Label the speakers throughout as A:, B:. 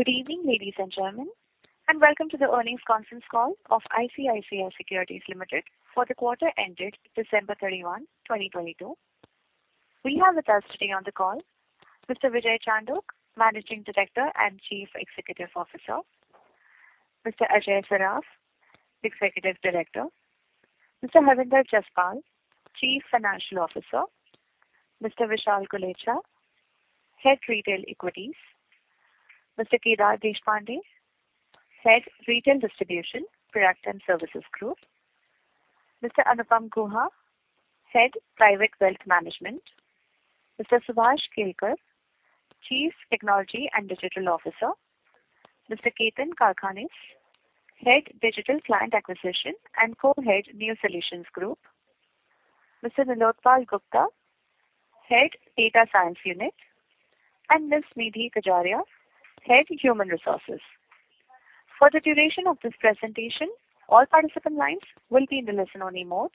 A: Good evening, ladies and gentlemen, and welcome to the earnings conference call of ICICI Securities Limited for the quarter ended December 31, 2022. We have with us today on the call Mr. Vijay Chandhok, Managing Director and Chief Executive Officer. Mr. Ajay Saraf, Executive Director. Mr. Harvinder Jaspal, Chief Financial Officer. Mr. Vishal Gulecha, Head Retail Equities. Mr. Kedar Deshpande, Head Retail Distribution, Product and Services Group. Mr. Anupam Guha, Head Private Wealth Management. Mr. Subhash Kelkar, Chief Technology and Digital Officer. Mr. Ketan Karkhanis, Head Digital Client Acquisition and Co-head New Solutions Group. Mr. Nilotpal Gupta, Head Data Science Unit, and Ms. Nidhi Kajaria, Head Human Resources. For the duration of this presentation, all participant lines will be in the listen-only mode.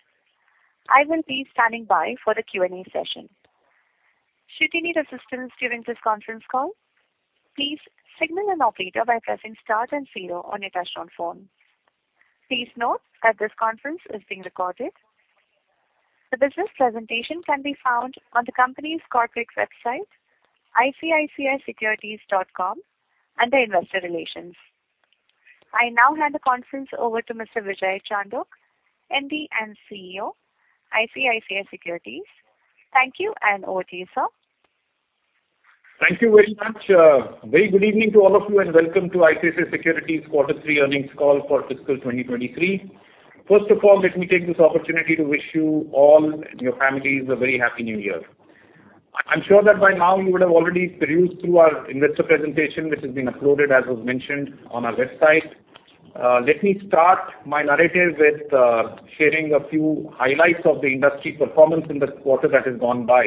A: I will be standing by for the Q&A session. Should you need assistance during this conference call, please signal an operator by pressing star and zero on your touchtone phone. Please note that this conference is being recorded. The business presentation can be found on the company's corporate website, icicisecurities.com under Investor Relations. I now hand the conference over to Mr. Vijay Chandok, MD and CEO, ICICI Securities. Thank you and over to you, sir.
B: Thank you very much. Very good evening to all of you and welcome to ICICI Securities quarter three earnings call for fiscal 2023. First of all, let me take this opportunity to wish you all and your families a very happy new year. I'm sure that by now you would have already perused through our investor presentation, which has been uploaded, as was mentioned on our website. Let me start my narrative with sharing a few highlights of the industry performance in the quarter that has gone by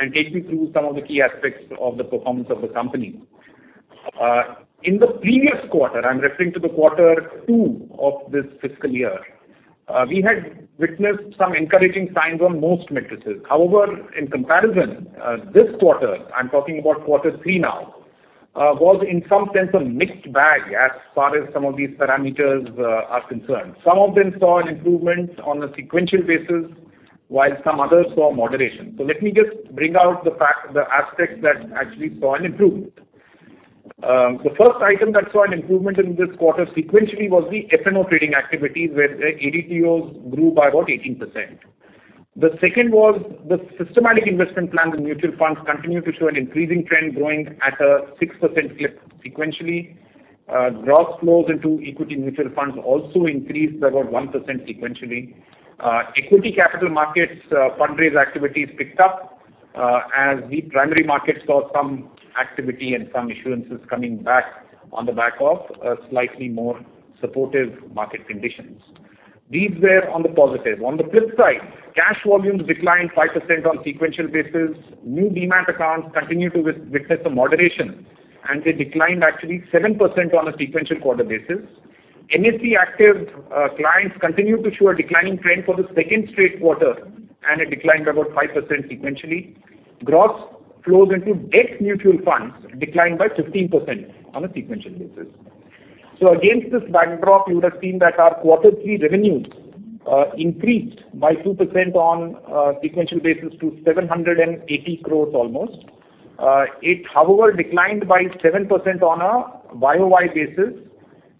B: and take you through some of the key aspects of the performance of the company. In the previous quarter, I'm referring to the quarter two of this fiscal year. We had witnessed some encouraging signs on most matrices. In comparison, this quarter, I'm talking about quarter three now, was in some sense a mixed bag as far as some of these parameters are concerned. Some of them saw an improvement on a sequential basis, while some others saw moderation. Let me just bring out the fact, the aspects that actually saw an improvement. The first item that saw an improvement in this quarter sequentially was the F&O trading activity, where the ADTOs grew by about 18%. The second was the systematic investment plans in mutual funds continued to show an increasing trend, growing at a 6% clip sequentially. Gross flows into equity mutual funds also increased about 1% sequentially. Equity capital markets, fundraise activities picked up, as the primary market saw some activity and some issuances coming back on the back of a slightly more supportive market conditions. These were on the positive. On the flip side, cash volumes declined 5% on sequential basis. New DMAT accounts continued to witness a moderation, and they declined actually 7% on a sequential quarter basis. NSE active clients continued to show a declining trend for the second straight quarter, and it declined about 5% sequentially. Gross flows into debt mutual funds declined by 15% on a sequential basis. Against this backdrop, you would have seen that our quarter three revenues increased by 2% on a sequential basis to 780 crores almost. It, however, declined by 7% on a year-over-year basis,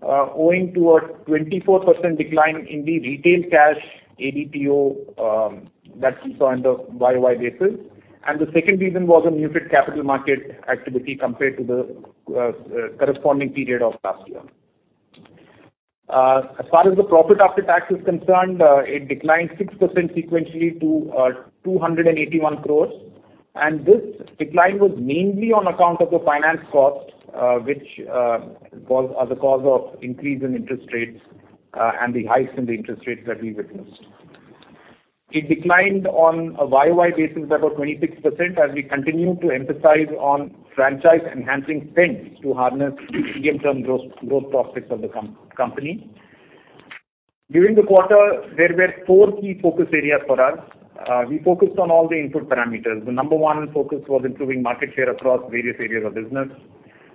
B: owing to a 24% decline in the retail cash ADTO that we saw on the year-over-year basis. The second reason was a muted capital market activity compared to the corresponding period of last year. As far as the profit after tax is concerned, it declined 6% sequentially to 281 crore. This decline was mainly on account of the finance cost, which are the cause of increase in interest rates and the hikes in the interest rates that we witnessed. It declined on a year-over-year basis about 26% as we continue to emphasize on franchise enhancing spends to harness medium-term growth prospects of the company. During the quarter, there were four key focus areas for us We focused on all the input parameters. The number one focus was improving market share across various areas of business.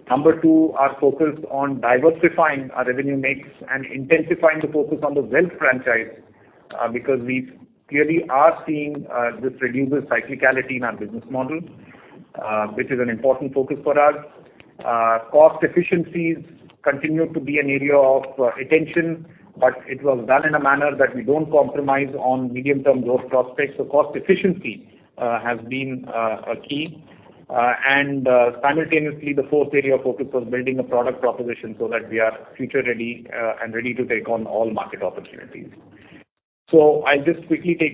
B: Number two, our focus on diversifying our revenue net and intensifying the focus on the wealth franchise because we clearly are seeing this regular cyclicality in our business model, which is an important focus for us. ah Cost efficiencies continue to be an area of attention, but it was done in a manner that we don't compromise on medium-term growth prospects The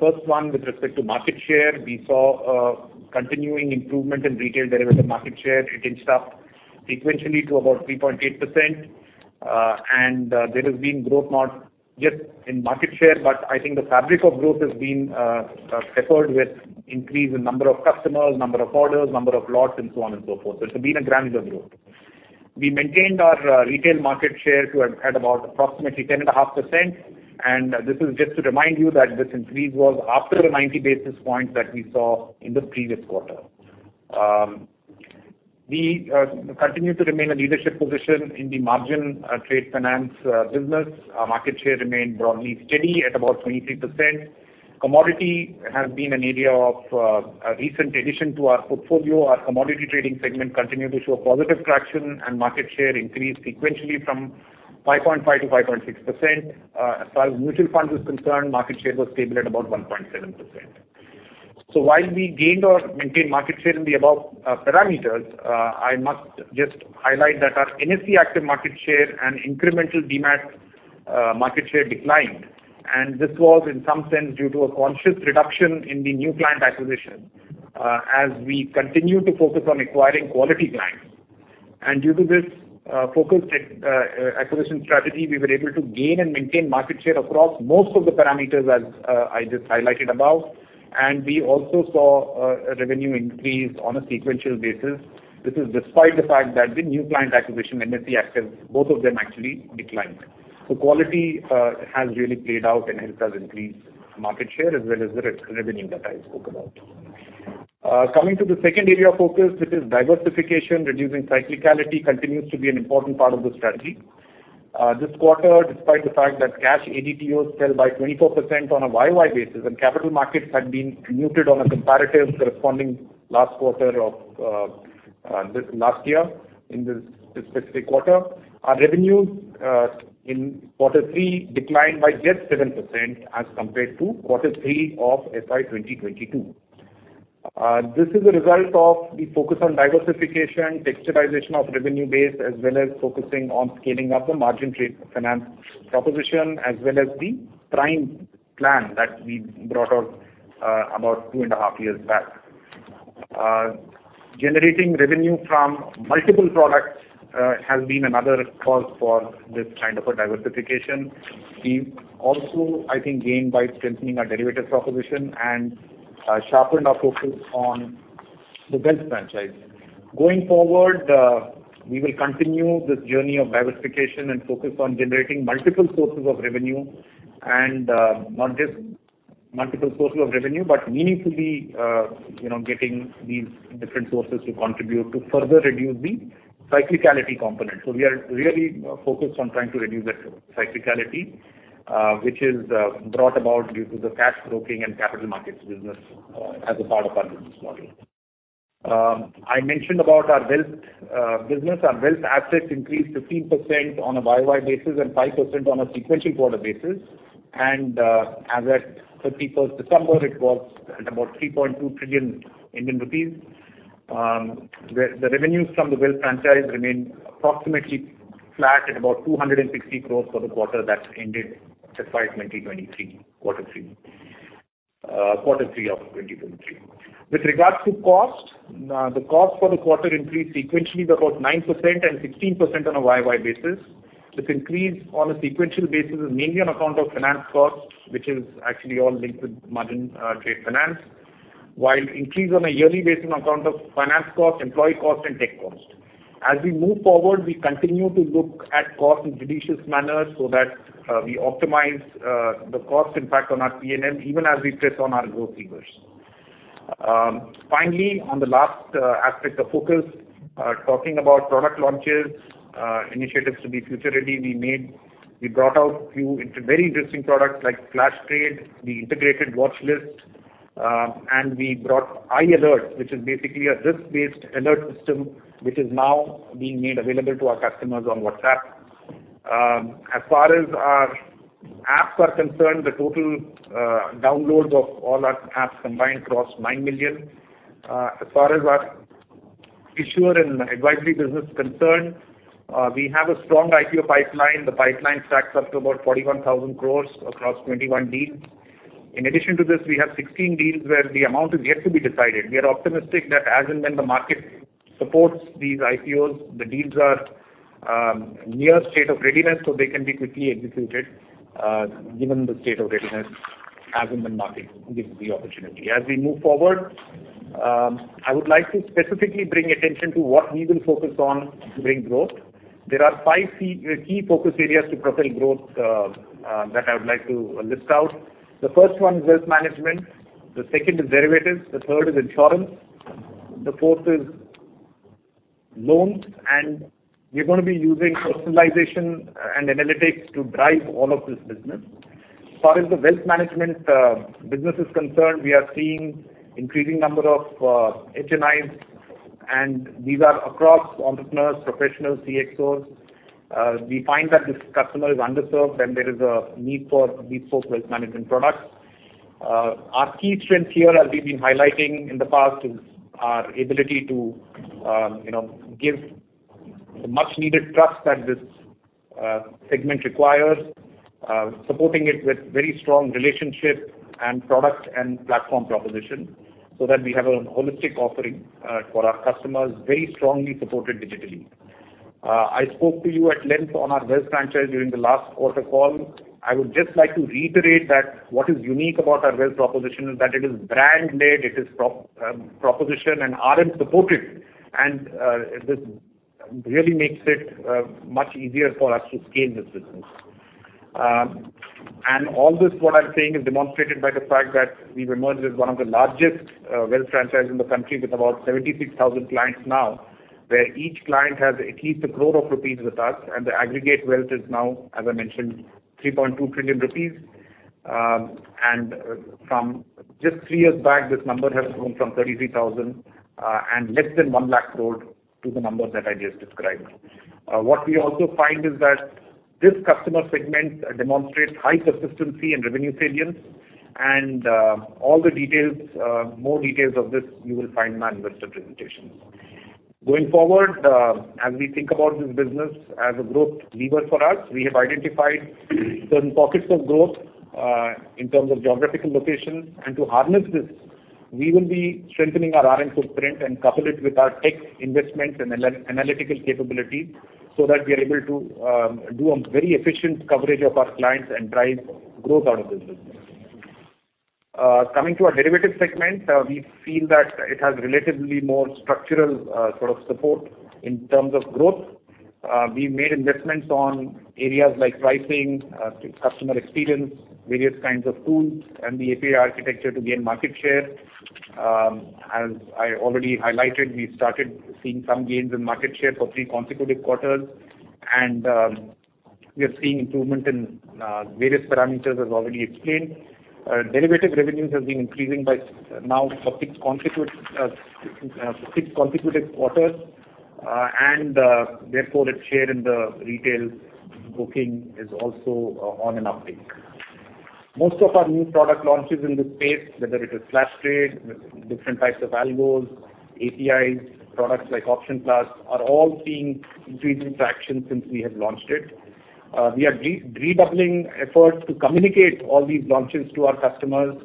B: first one, with respect to market share, we saw a continuing improvement in retail derivative market share. It inched up sequentially to about 3.8%. There has been growth not just in market share, but I think the fabric of growth has been peppered with increase in number of customers, number of orders, number of lots and so on and so forth. It's been a granular growth. We maintained our retail market share at about approximately 10.5%. This is just to remind you that this increase was after the 90 basis points that we saw in the previous quarter. We continue to remain a leadership position in the margin trade finance business. Our market share remained broadly steady at about 23%. Commodity has been an area of a recent addition to our portfolio. Our commodity trading segment continued to show positive traction and market share increased sequentially from 5.5 to 5.6%. As far as mutual fund is concerned, market share was stable at about 1.7%. While we gained or maintained market share in the above parameters, I must just highlight that our NSE active market share and incremental DMAT market share declined, and this was in some sense due to a conscious reduction in the new client acquisition as we continue to focus on acquiring quality clients. Due to this focused acquisition strategy, we were able to gain and maintain market share across most of the parameters as I just highlighted above. We also saw a revenue increase on a sequential basis. This is despite the fact that the new client acquisition, NSE active, both of them actually declined. Quality has really played out and helped us increase market share as well as the re-revenue that I spoke about. Coming to the second area of focus, which is diversification, reducing cyclicality continues to be an important part of the strategy. This quarter, despite the fact that cash ADTO fell by 24% on a YOY basis and capital markets had been muted on a comparative corresponding last quarter of this last year in this specific quarter. Our revenues in quarter three declined by just 7% as compared to quarter three of FY 2022. This is a result of the focus on diversification, texturization of revenue base, as well as focusing on scaling up the margin trade finance proposition, as well as the prime plan that we brought out about two and a half years back. Generating revenue from multiple products has been another cause for this kind of a diversification. We've also, I think, gained by strengthening our derivative proposition and sharpened our focus on the wealth franchise. Going forward, we will continue this journey of diversification and focus on generating multiple sources of revenue and not just multiple sources of revenue, but meaningfully, you know, getting these different sources to contribute to further reduce the cyclicality component. We are really focused on trying to reduce that cyclicality, which is brought about due to the cash broking and capital markets business as a part of our business model. I mentioned about our wealth business. Our wealth assets increased 15% on a YOY basis and 5% on a sequential quarter basis. As at 31st December, it was at about 3.2 trillion Indian rupees. The revenues from the wealth franchise remained approximately flat at about 260 crores for the quarter that ended July 2023, quarter three, quarter three of 2023. With regards to cost, the cost for the quarter increased sequentially by about 9% and 16% on a YOY basis. This increase on a sequential basis is mainly on account of finance costs, which is actually all linked with margin trade finance, while increase on a yearly basis on account of finance costs, employee costs and tech costs. We move forward, we continue to look at cost in judicious manner so that we optimize the cost impact on our PNL even as we press on our growth levers. Finally, on the last aspect of focus, talking about product launches, initiatives to be future ready, we brought out few very interesting products like Flash Trade, the integrated watchlist, and we brought i-Alert, which is basically a risk-based alert system which is now being made available to our customers on WhatsApp. As far as our apps are concerned, the total downloads of all our apps combined crossed 9 million. As far as our issuer and advisory business is concerned, we have a strong IPO pipeline. The pipeline stacks up to about 41,000 crores across 21 deals. In addition to this, we have 16 deals where the amount is yet to be decided. We are optimistic that as and when the market supports these IPOs, the deals are near state of readiness, so they can be quickly executed, given the state of readiness as and when market gives the opportunity. As we move forward, I would like to specifically bring attention to what we will focus on to bring growth. There are five key focus areas to propel growth that I would like to list out. The first one is wealth management, the second is derivatives, the third is insurance, the fourth is loans, and we're going to be using personalization and analytics to drive all of this business. As far as the wealth management business is concerned, we are seeing increasing number of HNIs. These are across entrepreneurs, professionals, CXOs. We find that this customer is underserved and there is a need for bespoke wealth management products. Our key strength here, as we've been highlighting in the past, is our ability to, you know, give the much needed trust that this segment requires, supporting it with very strong relationship and product and platform proposition so that we have a holistic offering for our customers, very strongly supported digitally. I spoke to you at length on our wealth franchise during the last quarter call. I would just like to reiterate that what is unique about our wealth proposition is that it is brand led, it is proposition and RM supported, this really makes it much easier for us to scale this business. All this what I'm saying is demonstrated by the fact that we've emerged as one of the largest wealth franchises in the country with about 76,000 clients now, where each client has at least 1 crore rupees with us, and the aggregate wealth is now, as I mentioned, 3.2 trillion rupees. From just three years back, this number has grown from 33,000 and less than 1 lakh crore to the number that I just described. What we also find is that this customer segment demonstrates high consistency and revenue salience. All the details, more details of this you will find in our investor presentation. Going forward, as we think about this business as a growth lever for us, we have identified certain pockets of growth, in terms of geographical location. To harness this, we will be strengthening our RM footprint and couple it with our tech investment and analytical capability so that we are able to do a very efficient coverage of our clients and drive growth out of this business. Coming to our derivatives segment, we feel that it has relatively more structural sort of support in terms of growth. We've made investments on areas like pricing, customer experience, various kinds of tools, and the API architecture to gain market share. As I already highlighted, we started seeing some gains in market share for three consecutive quarters. We are seeing improvement in various parameters as already explained. Derivative revenues has been increasing by now for six consecutive quarters. Therefore, its share in the retail booking is also on an uptick. Most of our new product launches in this space, whether it is Flash Trade with different types of algos, APIs, products like OptionPLUS, are all seeing increased traction since we have launched it. We are redoubling efforts to communicate all these launches to our customers.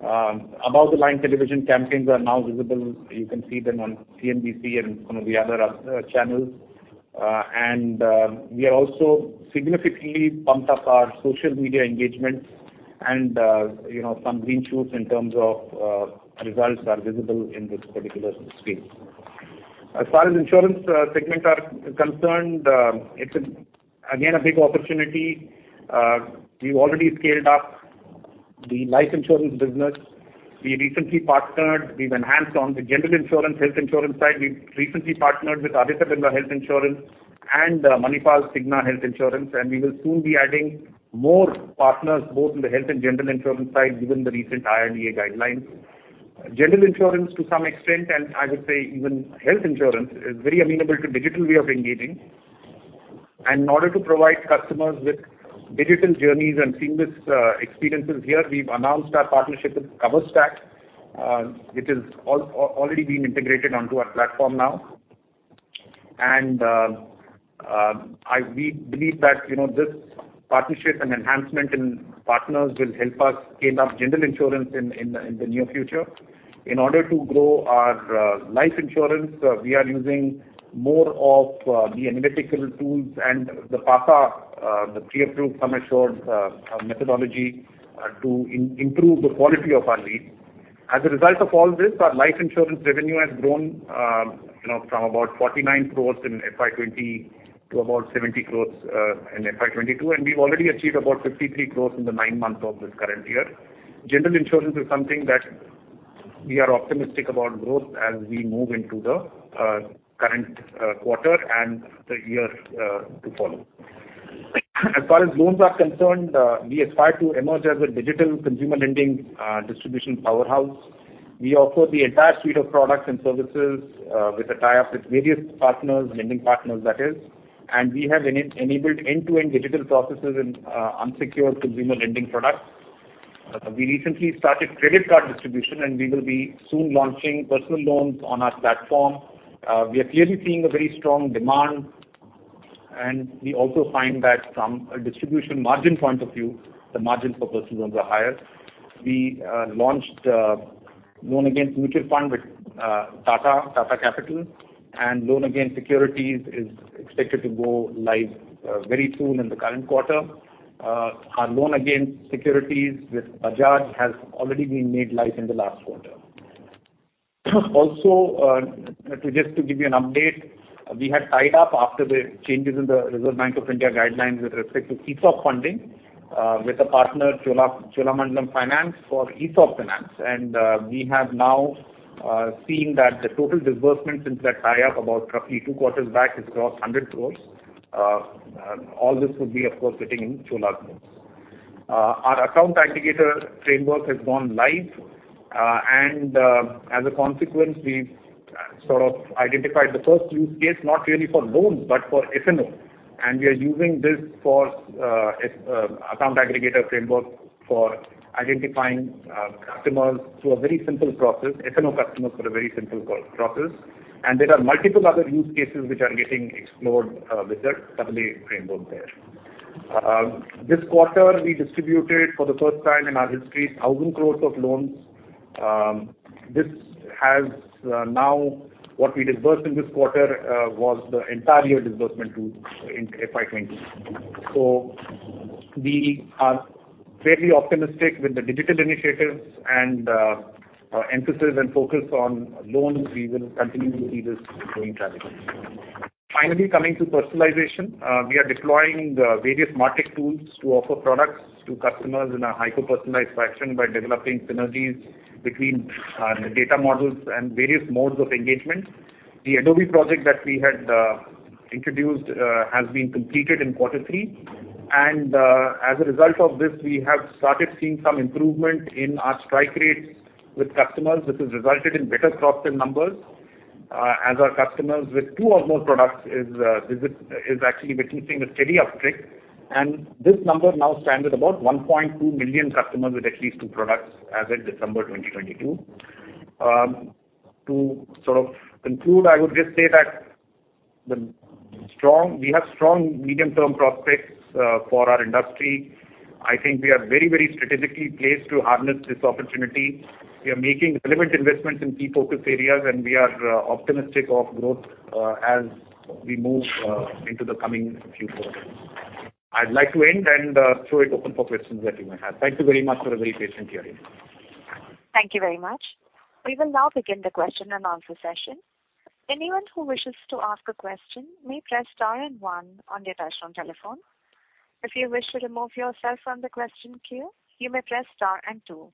B: Above the line television campaigns are now visible. You can see them on CNBC and one of the other channels. We have also significantly pumped up our social media engagements and, you know, some green shoots in terms of results are visible in this particular space. As far as insurance segments are concerned, it's again a big opportunity. We've already scaled up the life insurance business. We've enhanced on the general insurance, health insurance side. We've recently partnered with Aditya Birla Health Insurance and Manipal Cigna Health Insurance, and we will soon be adding more partners both in the health and general insurance side given the recent IRDA guidelines. General insurance to some extent, and I would say even health insurance, is very amenable to digital way of engaging. In order to provide customers with digital journeys and seamless experiences here, we've announced our partnership with Coverstack, which has already been integrated onto our platform now. We believe that, you know, this partnership and enhancement in partners will help us scale up general insurance in the near future. In order to grow our life insurance, we are using more of the analytical tools and the PASA, the pre-approved sum assured methodology, to improve the quality of our leads. As a result of all this, our life insurance revenue has grown, you know, from about 49 crores in FY 2020 to about 70 crores in FY 2022, and we've already achieved about 53 crores in the nine months of this current year. General insurance is something that we are optimistic about growth as we move into the current quarter and the years to follow. As far as loans are concerned, we aspire to emerge as a digital consumer lending distribution powerhouse. We offer the entire suite of products and services with a tie-up with various partners, lending partners that is, and we have enabled end-to-end digital processes in unsecured consumer lending products. We recently started credit card distribution, and we will be soon launching personal loans on our platform. We are clearly seeing a very strong demand, and we also find that from a distribution margin point of view, the margins for personal loans are higher. We launched loan against mutual fund with Tata Capital, and loan against securities is expected to go live very soon in the current quarter. Our loan against securities with Bajaj has already been made live in the last quarter. Also, to just to give you an update, we had tied up after the changes in the Reserve Bank of India guidelines with respect to ESOP funding, with a partner Cholamandalam Finance for ESOP finance. We have now seen that the total disbursement since that tie-up about roughly two quarters back has crossed 100 crores. All this would be, of course, sitting in Chola books. Our Account Aggregator framework has gone live. As a consequence, we've sort of identified the first use case, not really for loans, but for F&O. We are using this for account aggregator framework for identifying customers through a very simple process, F&O customers through a very simple process. There are multiple other use cases which are getting explored with that framework there. This quarter we distributed for the first time in our history 1,000 crore of loans. This has now what we disbursed in this quarter was the entire year disbursement to in FY20. We are fairly optimistic with the digital initiatives and emphasis and focus on loans, we will continue to see this growing trajectory. Finally, coming to personalization. We are deploying the various MarTech tools to offer products to customers in a hyper-personalized fashion by developing synergies between the data models and various modes of engagement. The Adobe project that we had introduced has been completed in quarter three. As a result of this, we have started seeing some improvement in our strike rates with customers. This has resulted in better cross-sell numbers as our customers with two or more products is actually witnessing a steady uptick. This number now stands at about 1.2 million customers with at least two products as at December 2022. To sort of conclude, I would just say that we have strong medium-term prospects for our industry. I think we are very, very strategically placed to harness this opportunity. We are making relevant investments in key focus areas, and we are optimistic of growth as we move into the coming few quarters. I'd like to end and throw it open for questions that you may have. Thank you very much for a very patient hearing.
A: Thank you very much. We will now begin the question-and-answer session. Anyone who wishes to ask a question may press star and one on their touchtone telephone. If you wish to remove yourself from the question queue, you may press star and two.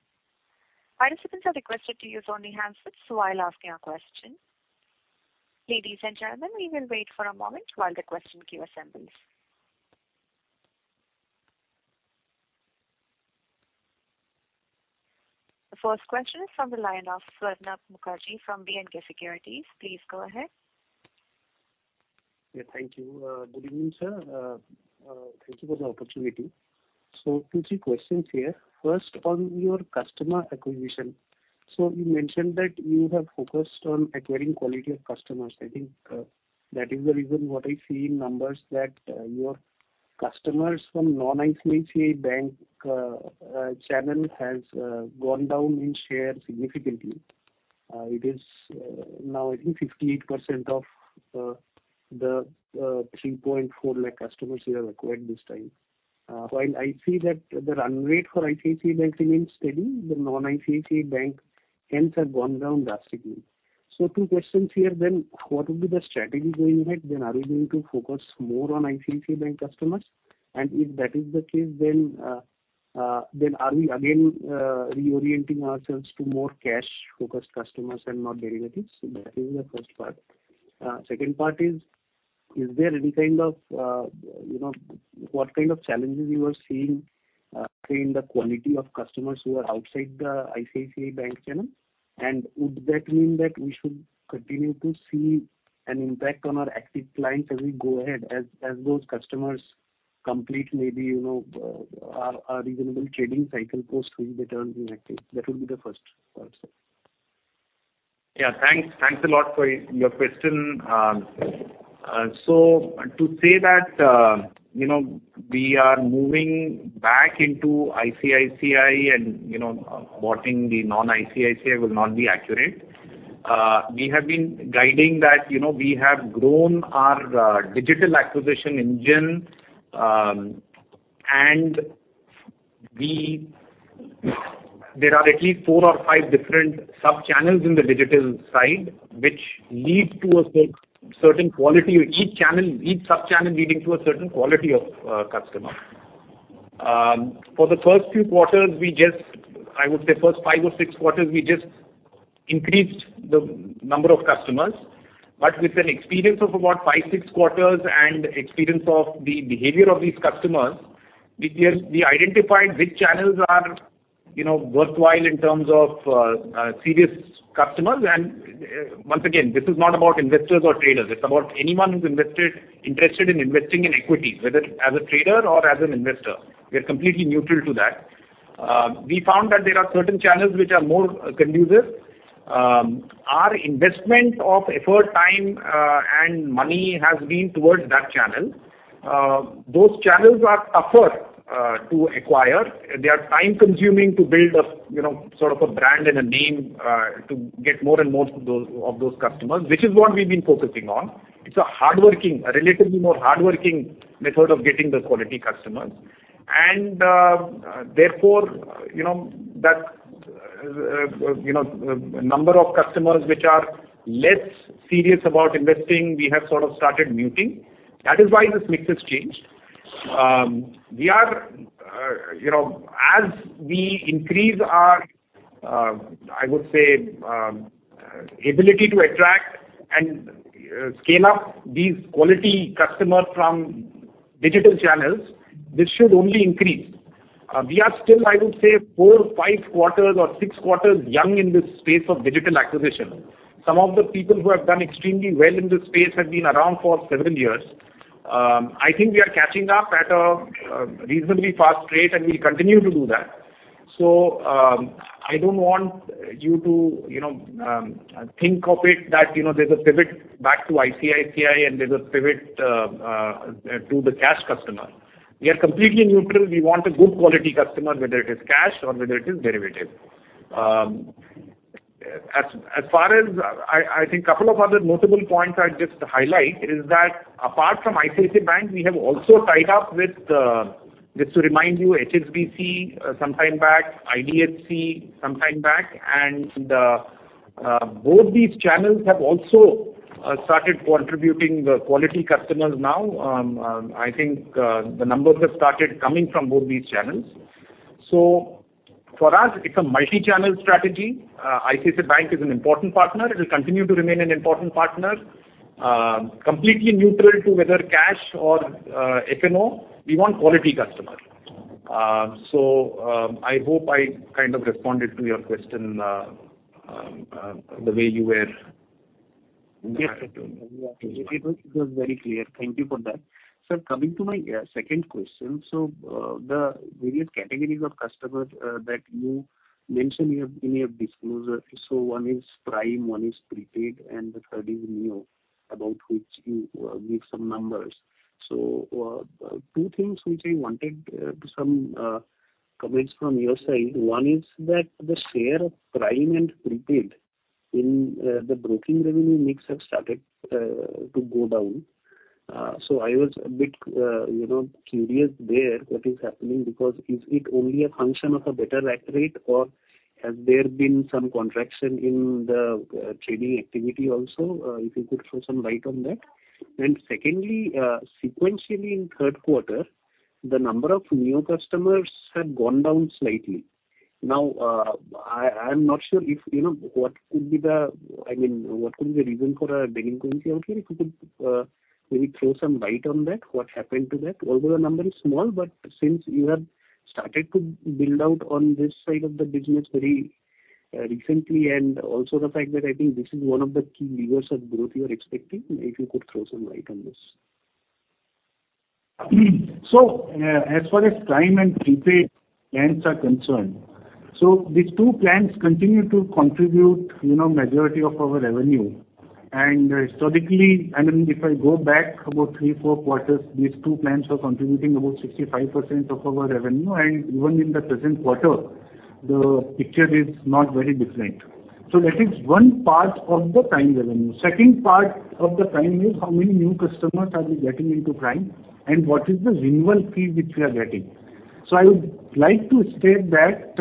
A: Participants are requested to use only handsets while asking a question. Ladies and gentlemen, we will wait for a moment while the question queue assembles. The first question is from the line of Arnab Mukherjee from B&K Securities. Please go ahead.
C: Yeah, thank you. Good evening, sir. Thank you for the opportunity. two, three questions here. First, on your customer acquisition. You mentioned that you have focused on acquiring quality of customers. I think that is the reason what I see in numbers that your customers from non-ICICI Bank channel has gone down in share significantly. It is now I think 58% of the 3.4 lakh customers you have acquired this time. While I see that the run rate for ICICI Bank remains steady, the non-ICICI Bank accounts have gone down drastically. Two questions here then. What would be the strategy going ahead then? Are we going to focus more on ICICI Bank customers? If that is the case, then are we again, reorienting ourselves to more cash-focused customers and not derivatives? That is the first part. Second part is there any kind of, you know, what kind of challenges you are seeing, say, in the quality of customers who are outside the ICICI Bank channel? Would that mean that we should continue to see an impact on our active clients as we go ahead, as those customers complete maybe, you know, a reasonable trading cycle post which they turn inactive? That would be the first part, sir.
B: Thanks. Thanks a lot for your question. To say that, you know, we are moving back into ICICI and, you know, porting the non-ICICI will not be accurate. We have been guiding that, you know, we have grown our digital acquisition engine. There are at least four or five different sub-channels in the digital side, which lead to a certain quality. Each channel, each sub-channel leading to a certain quality of customer. For the first few quarters, I would say first five or six quarters, we just increased the number of customers. With an experience of about five, six quarters and experience of the behavior of these customers, we identified which channels are, you know, worthwhile in terms of serious customers. Once again, this is not about investors or traders. It's about anyone who's interested in investing in equity, whether as a trader or as an investor. We are completely neutral to that. We found that there are certain channels which are more conducive. Our investment of effort, time and money has been towards that channel. Those channels are tougher to acquire. They are time consuming to build a, you know, sort of a brand and a name to get more and more of those customers, which is what we've been focusing on. It's a hardworking, a relatively more hardworking method of getting the quality customers. Therefore, you know, that, you know, number of customers which are less serious about investing, we have sort of started muting. That is why this mix has changed. We are, you know, as we increase our, I would say, ability to attract and scale up these quality customers from digital channels, this should only increase. We are still, I would say, four, five quarters or six quarters young in this space of digital acquisition. Some of the people who have done extremely well in this space have been around for seven years. I think we are catching up at a reasonably fast rate, and we'll continue to do that. I don't want you to, you know, think of it that, you know, there's a pivot back to ICICI and there's a pivot to the cash customer. We are completely neutral. We want a good quality customer, whether it is cash or whether it is derivative. As far as, I think couple of other notable points I'd just highlight is that apart from ICICI Bank, we have also tied up with, just to remind you, HSBC, some time back, IDFC some time back, both these channels have also started contributing the quality customers now. I think the numbers have started coming from both these channels. For us, it's a multi-channel strategy. ICICI Bank is an important partner. It will continue to remain an important partner. Completely neutral to whether cash or F&O. We want quality customer. I hope I kind of responded to your question the way you were-
C: Yes. It was very clear. Thank you for that. Sir, coming to my second question. The various categories of customers that you mentioned in your disclosure, so one is Prime, one is Prepaid, and the third is Neo, about which you give some numbers. Two things which I wanted some comments from your side. One is that the share of Prime and Prepaid in the broking revenue mix have started to go down. I was a bit, you know, curious there what is happening because is it only a function of a better rack rate or has there been some contraction in the trading activity also? If you could throw some light on that. Secondly, sequentially in third quarter, the number of new customers have gone down slightly. Now, I'm not sure if, you know, I mean, what could be the reason for a decline sequentially if you could, maybe throw some light on that, what happened to that? Although the number is small, but since you have started to build out on this side of the business very recently, and also the fact that I think this is one of the key levers of growth you are expecting, if you could throw some light on this?
B: As far as Prime and Prepaid Plans are concerned, these two plans continue to contribute, you know, majority of our revenue. Historically, I mean, if I go back about three, four quarters, these two plans were contributing about 65% of our revenue. Even in the present quarter, the picture is not very different. That is one part of the Prime revenue. Second part of the Prime is how many new customers are we getting into Prime and what is the renewal fee which we are getting. I would like to state that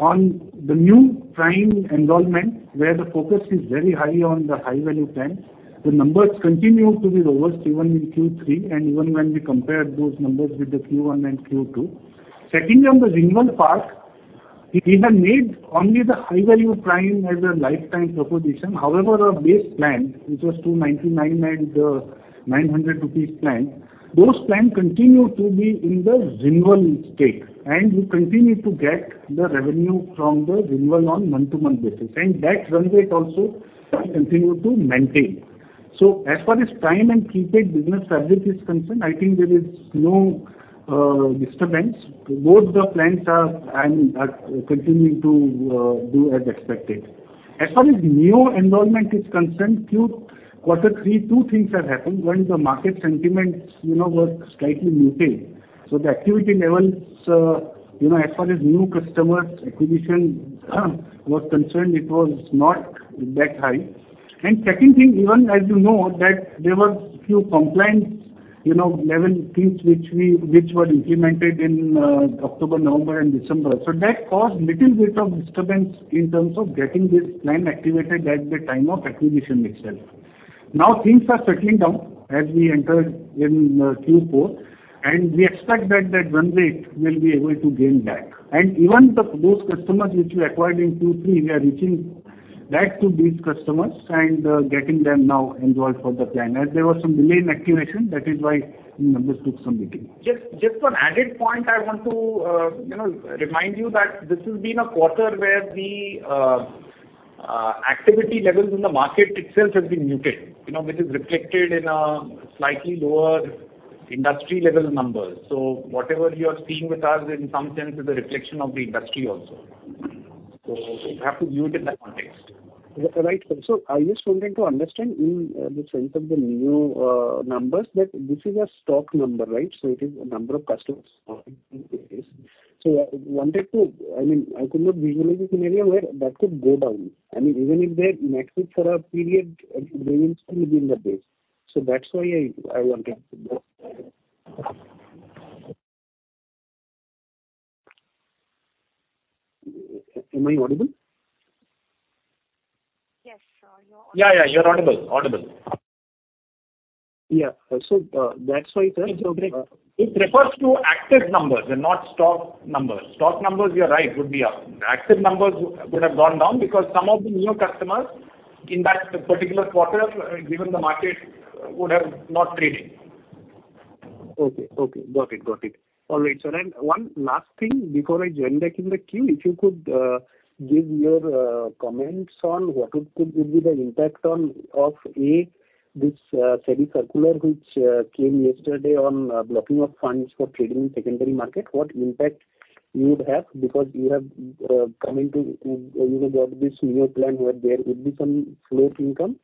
B: on the new Prime enrollment, where the focus is very high on the high-value plans, the numbers continue to be robust even in Q3 and even when we compare those numbers with the Q1 and Q2. Secondly, on the renewal part, we have made only the high-value Prime as a lifetime proposition. Our base plan, which was 299 and 900 rupees plan, those plan continue to be in the renewal state, and we continue to get the revenue from the renewal on month-to-month basis. That run rate also we continue to maintain. As far as Prime and Prepaid business fabric is concerned, I think there is no disturbance. Both the plans are continuing to do as expected. As far as Neo enrollment is concerned, Q-quarter three, two things have happened. One is the market sentiments, you know, were slightly muted, the activity levels, you know, as far as new customer acquisition was concerned, it was not that high. Second thing, even as you know that there were few compliance, you know, level things which we, which were implemented in October, November and December. That caused little bit of disturbance in terms of getting this plan activated at the time of acquisition itself. Now things are settling down as we entered in Q4, and we expect that that run rate will be able to gain back. Even the, those customers which we acquired in Q3, we are reaching back to these customers and getting them now enrolled for the plan. There was some delay in activation, that is why the numbers took some beating. Just one added point I want to, you know, remind you that this has been a quarter where the activity levels in the market itself have been muted, you know, which is reflected in slightly lower industry level numbers. Whatever you are seeing with us in some sense is a reflection of the industry also. You have to view it in that context.
C: Right. I just wanted to understand in the sense of the new numbers that this is a stock number, right? It is a number of customers
B: Mm-hmm.
C: I wanted to... I mean, I could not visualize a scenario where that could go down. I mean, even if they're inactive for a period, I mean, they will still be in the base. That's why I wanted to know. Am I audible?
A: Yes, sir. You're audible.
B: Yeah, yeah, you're audible. Audible.
C: Yeah. That's why, sir-
B: It refers to active numbers and not stock numbers. Stock numbers, you're right, would be up. Active numbers would have gone down because some of the new customers in that particular quarter, given the market would have not traded.
C: Okay. Okay. Got it. Got it. All right, sir. One last thing before I join back in the queue, if you could give your comments on what could be the impact on this circular which came yesterday on blocking of funds for trading in secondary market, what impact you would have? You have, you know, got this new plan where there would be some float income.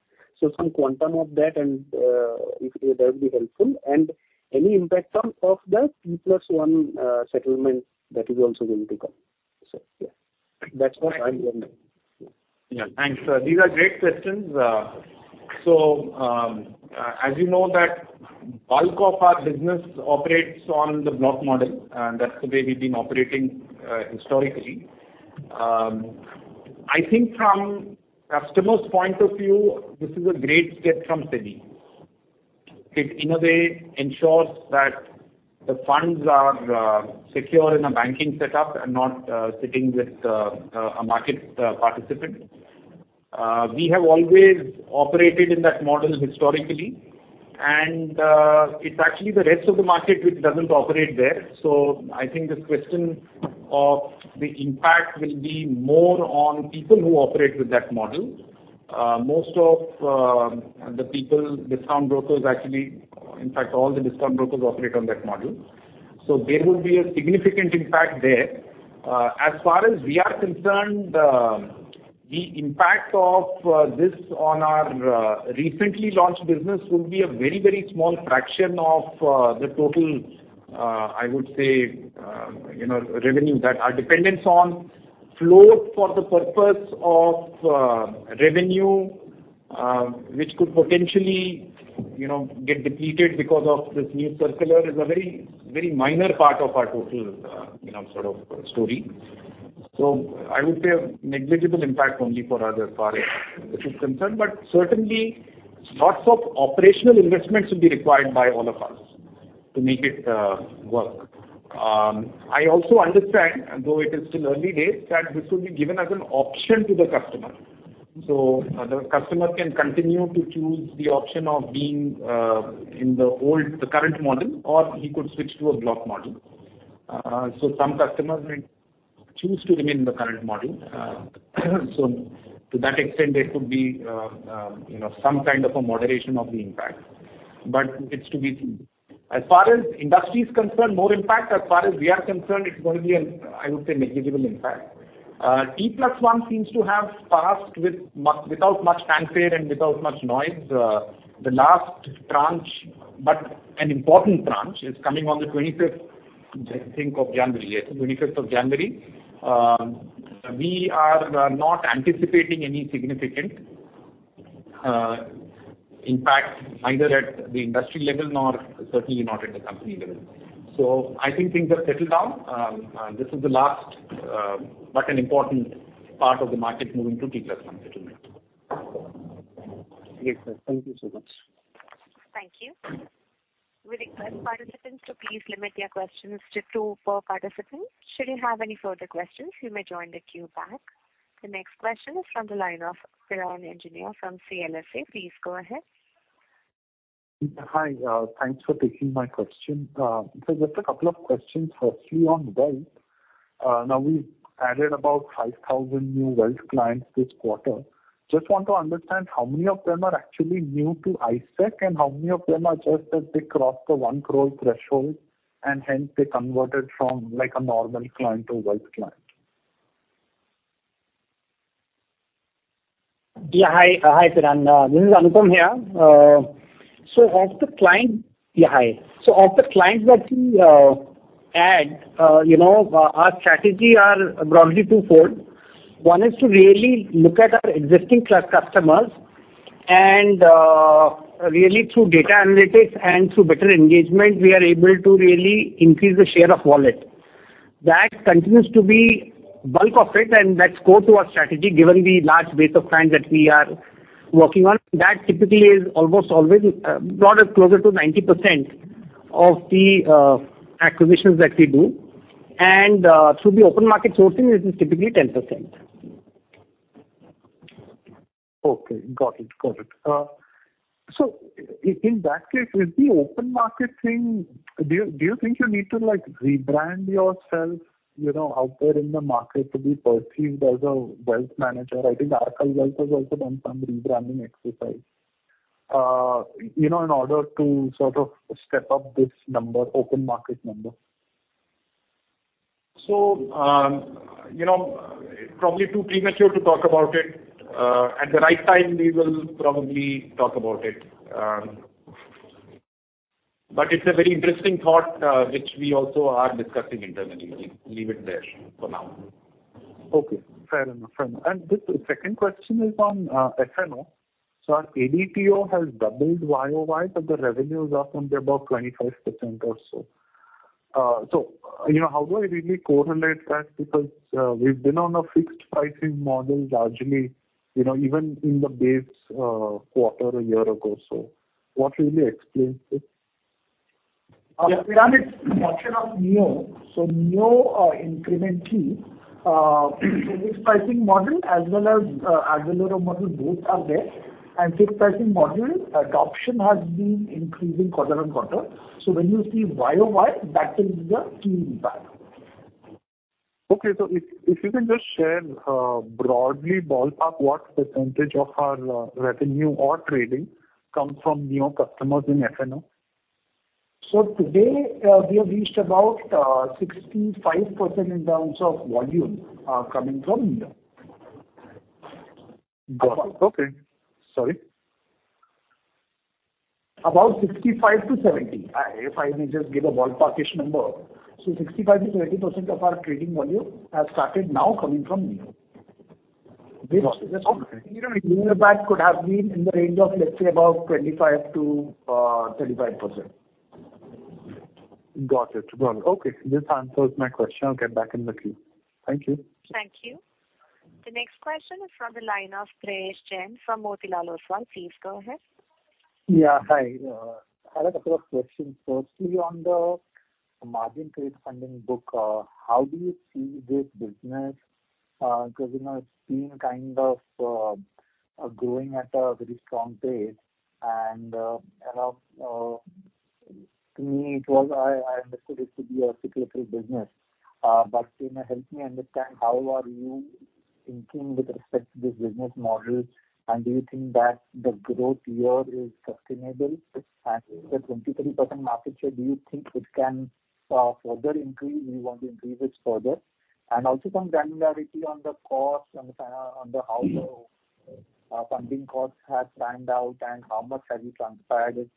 C: Some quantum of that and, if that would be helpful. Any impact term of the T+1 settlement that is also going to come. Yeah, that's what I'm wondering.
B: Yeah. Thanks. These are great questions. As you know, that bulk of our business operates on the block model, and that's the way we've been operating historically. I think from customers' point of view, this is a great step from SEBI. It, in a way, ensures that the funds are secure in a banking setup and not sitting with a market participant. We have always operated in that model historically, and it's actually the rest of the market which doesn't operate there. I think this question of the impact will be more on people who operate with that model. Most of the people, discount brokers, in fact, all the discount brokers operate on that model. There will be a significant impact there. As far as we are concerned, the impact of this on our recently launched business will be a very, very small fraction of the total, I would say, you know, revenue that are dependent on flow for the purpose of revenue, which could potentially, you know, get depleted because of this new circular, is a very, very minor part of our total, you know, sort of story. I would say a negligible impact only for us as far as this is concerned. Certainly lots of operational investments will be required by all of us to make it work. I also understand, though it is still early days, that this will be given as an option to the customer. The customer can continue to choose the option of being in the current model, or he could switch to a block model. Some customers may choose to remain in the current model. To that extent, there could be, you know, some kind of a moderation of the impact, but it's to be seen. As far as industry is concerned, more impact. As far as we are concerned, it's going to be an, I would say, negligible impact. T+1 seems to have passed without much fanfare and without much noise. The last tranche, but an important tranche, is coming on the 25th, I think, of January. Yes, 25th of January. We are not anticipating any significant impact either at the industry level nor certainly not at the company level. I think things have settled down. This is the last, but an important part of the market moving to T+1 settlement.
C: Great. Thank you so much.
A: Thank you. We request participants to please limit your questions to two per participant. Should you have any further questions, you may join the queue back. The next question is from the line of Piran Engineer from CLSA. Please go ahead.
D: Hi. Thanks for taking my question. Just a couple of questions. Firstly, on wealth. Now we've added about 5,000 new wealth clients this quarter. Just want to understand how many of them are actually new to ICICI and how many of them are just that they crossed the 1 crore threshold and hence they converted from, like, a normal client to a wealth client.
E: Hi, Piran. This is Anupam here. Of the clients that we, you know, our strategy are broadly twofold. One is to really look at our existing customers and really through data analytics and through better engagement, we are able to really increase the share of wallet. That continues to be bulk of it, and that's core to our strategy given the large base of clients that we are working on. That typically is almost always brought us closer to 90% of the acquisitions that we do. Through the open market sourcing, it is typically 10%.
D: Okay. Got it. Got it. In that case, with the open market thing, do you think you need to, like, rebrand yourself, you know, out there in the market to be perceived as a wealth manager? I think RKS Wealth has also done some rebranding exercise, you know, in order to sort of step up this number, open market number.
B: you know, probably too premature to talk about it. At the right time we will probably talk about it. It's a very interesting thought, which we also are discussing internally. We'll leave it there for now.
D: Okay. Fair enough. Fair enough. The second question is on F&O. Our ADTO has doubled YOY, but the revenue is up only about 25% or so. You know, how do I really correlate that? We've been on a fixed pricing model largely, you know, even in the base quarter a year or so. What really explains this?
F: Piran, it's a function of Neo. Neo, incrementally, fixed pricing model as well as, algorithm model, both are there. Fixed pricing model adoption has been increasing quarter on quarter. When you see YOY, that will be the key impact.
D: Okay. If you can just share, broadly ballpark what % of our revenue or trading comes from Neo customers in F&O?
B: Today, we have reached about 65% in terms of volume, coming from India.
D: Got it. Okay. Sorry.
B: About 65-70. If I may just give a ballpark-ish number. 65%-70% of our trading volume has started now coming from India.
D: Got it. Okay.
B: You know, a year back could have been in the range of, let's say, about 25%-35%.
D: Got it. Got it. Okay. This answers my question. I'll get back in the queue. Thank you.
A: Thank you. The next question is from the line of Prayesh Jain from Motilal Oswal. Please go ahead.
G: Yeah. Hi. I have a couple of questions. Firstly, on the margin trade funding book, how do you see this business? You know, it's been kind of growing at a very strong pace and, you know, to me it was, I understood it to be a cyclical business. Can you help me understand how are you thinking with respect to this business model and do you think that the growth here is sustainable? The 23% market share, do you think it can further increase? Do you want to increase it further? Also some granularity on the cost and on the how the funding costs have panned out and how much have you transmitted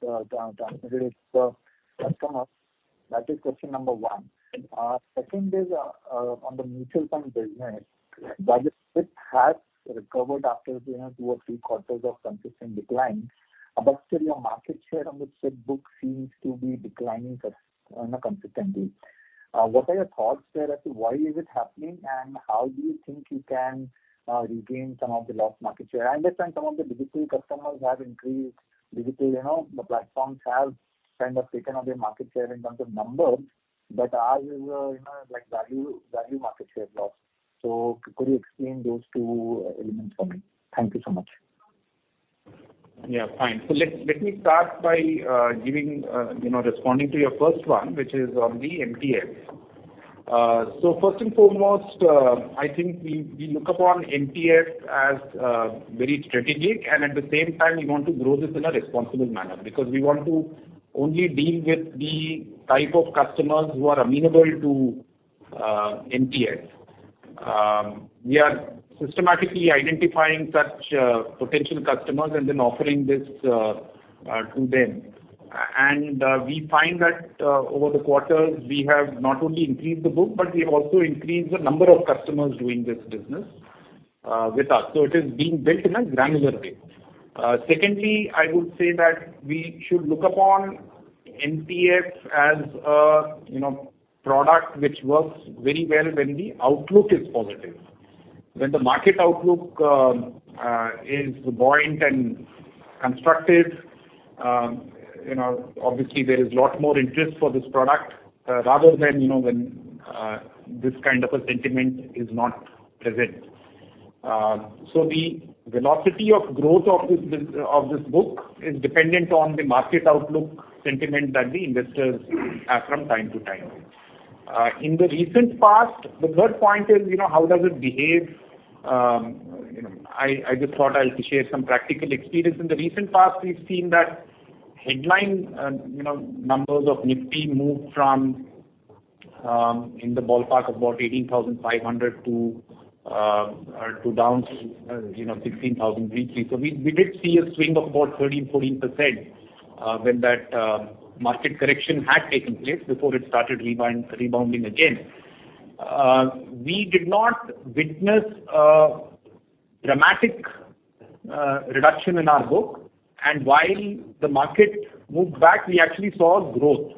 G: it to customers. That is question number one. Second is on the mutual fund business. While the split has recovered after, you know, two or three quarters of consistent decline, still your market share on the said book seems to be declining, you know, consistently. What are your thoughts there as to why is it happening and how do you think you can regain some of the lost market share? I understand some of the digital customers have increased. Digital, you know, the platforms have kind of taken up your market share in terms of numbers, but are you know, like value market share loss. Could you explain those two elements for me? Thank you so much.
B: Yeah, fine. Let me start by giving, you know, responding to your first one, which is on the MTF. First and foremost, I think we look upon MTF as very strategic and at the same time we want to grow this in a responsible manner because we want to only deal with the type of customers who are amenable to MTF. We are systematically identifying such potential customers and then offering this to them. We find that over the quarters we have not only increased the book but we have also increased the number of customers doing this business with us. It is being built in a granular way. Secondly, I would say that we should look upon MTF as a, you know, product which works very well when the outlook is positive. When the market outlook is buoyant and constructive, you know, obviously there is lot more interest for this product, rather than, you know, when this kind of a sentiment is not present. The velocity of growth of this book is dependent on the market outlook sentiment that the investors have from time to time. In the recent past, the third point is, you know, how does it behave? you know, I just thought I'll share some practical experience. In the recent past, we've seen that headline, you know, numbers of Nifty moved from in the ballpark of about 18,500 to down, you know, 16,000 briefly. We did see a swing of about 13-14%, when that market correction had taken place before it started rebounding again. We did not witness a dramatic reduction in our book and while the market moved back, we actually saw growth.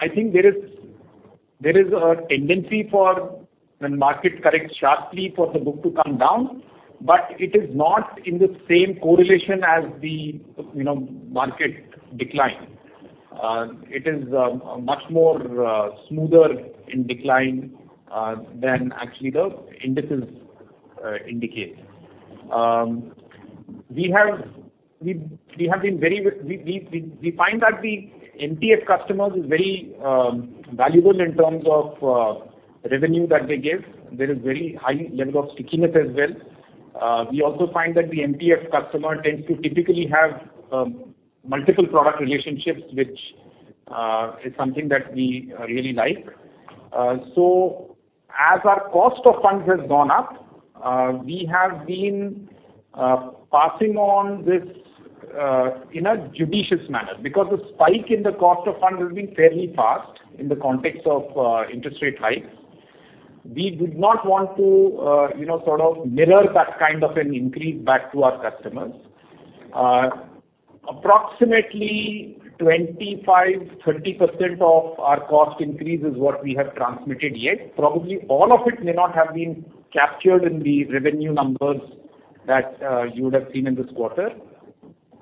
B: I think there is a tendency for when market corrects sharply for the book to come down, but it is not in the same correlation as the market decline. It is much more smoother in decline than actually the indices indicate. We have been very we find that the MTF customers is very valuable in terms of revenue that they give. There is very high level of stickiness as well. We also find that the MTF customer tends to typically have multiple product relationships which is something that we really like. As our cost of funds has gone up, we have been passing on this in a judicious manner because the spike in the cost of funds has been fairly fast in the context of interest rate hikes. We did not want to, you know, sort of mirror that kind of an increase back to our customers. Approximately 25%, 30% of our cost increase is what we have transmitted yet. Probably all of it may not have been captured in the revenue numbers that you would have seen in this quarter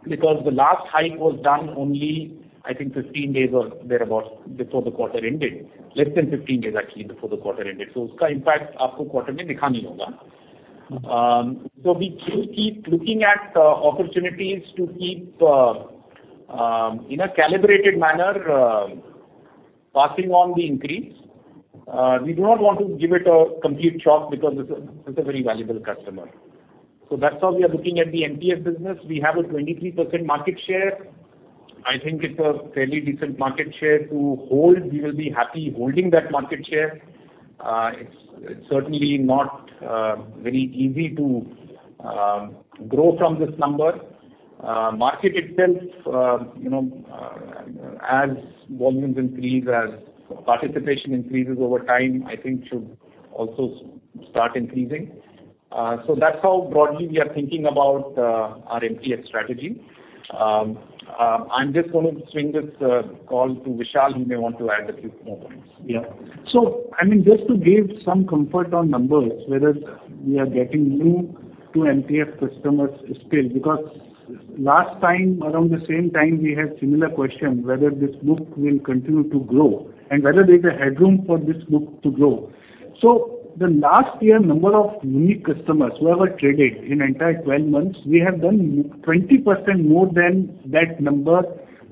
B: because the last hike was done only, I think 15 days or thereabout before the quarter ended. Less than 15 days actually before the quarter ended. That impact will not be visible in the quarter. We do keep looking at opportunities to keep in a calibrated manner, Passing on the increase. We do not want to give it a complete shock because it's a, it's a very valuable customer. That's how we are looking at the MTF business. We have a 23% market share. I think it's a fairly decent market share to hold. We will be happy holding that market share. It's, it's certainly not very easy to grow from this number.
F: Market itself, you know, as volumes increase, as participation increases over time, I think should also start increasing. That's how broadly we are thinking about our MTF strategy. I'm just gonna swing this call to Vishal who may want to add a few more points. Yeah. I mean, just to give some comfort on numbers, whether we are getting new to MTF customers still, because last time around the same time we had similar question whether this book will continue to grow and whether there's a headroom for this book to grow. The last year number of unique customers who have traded in entire 12 months, we have done 20% more than that number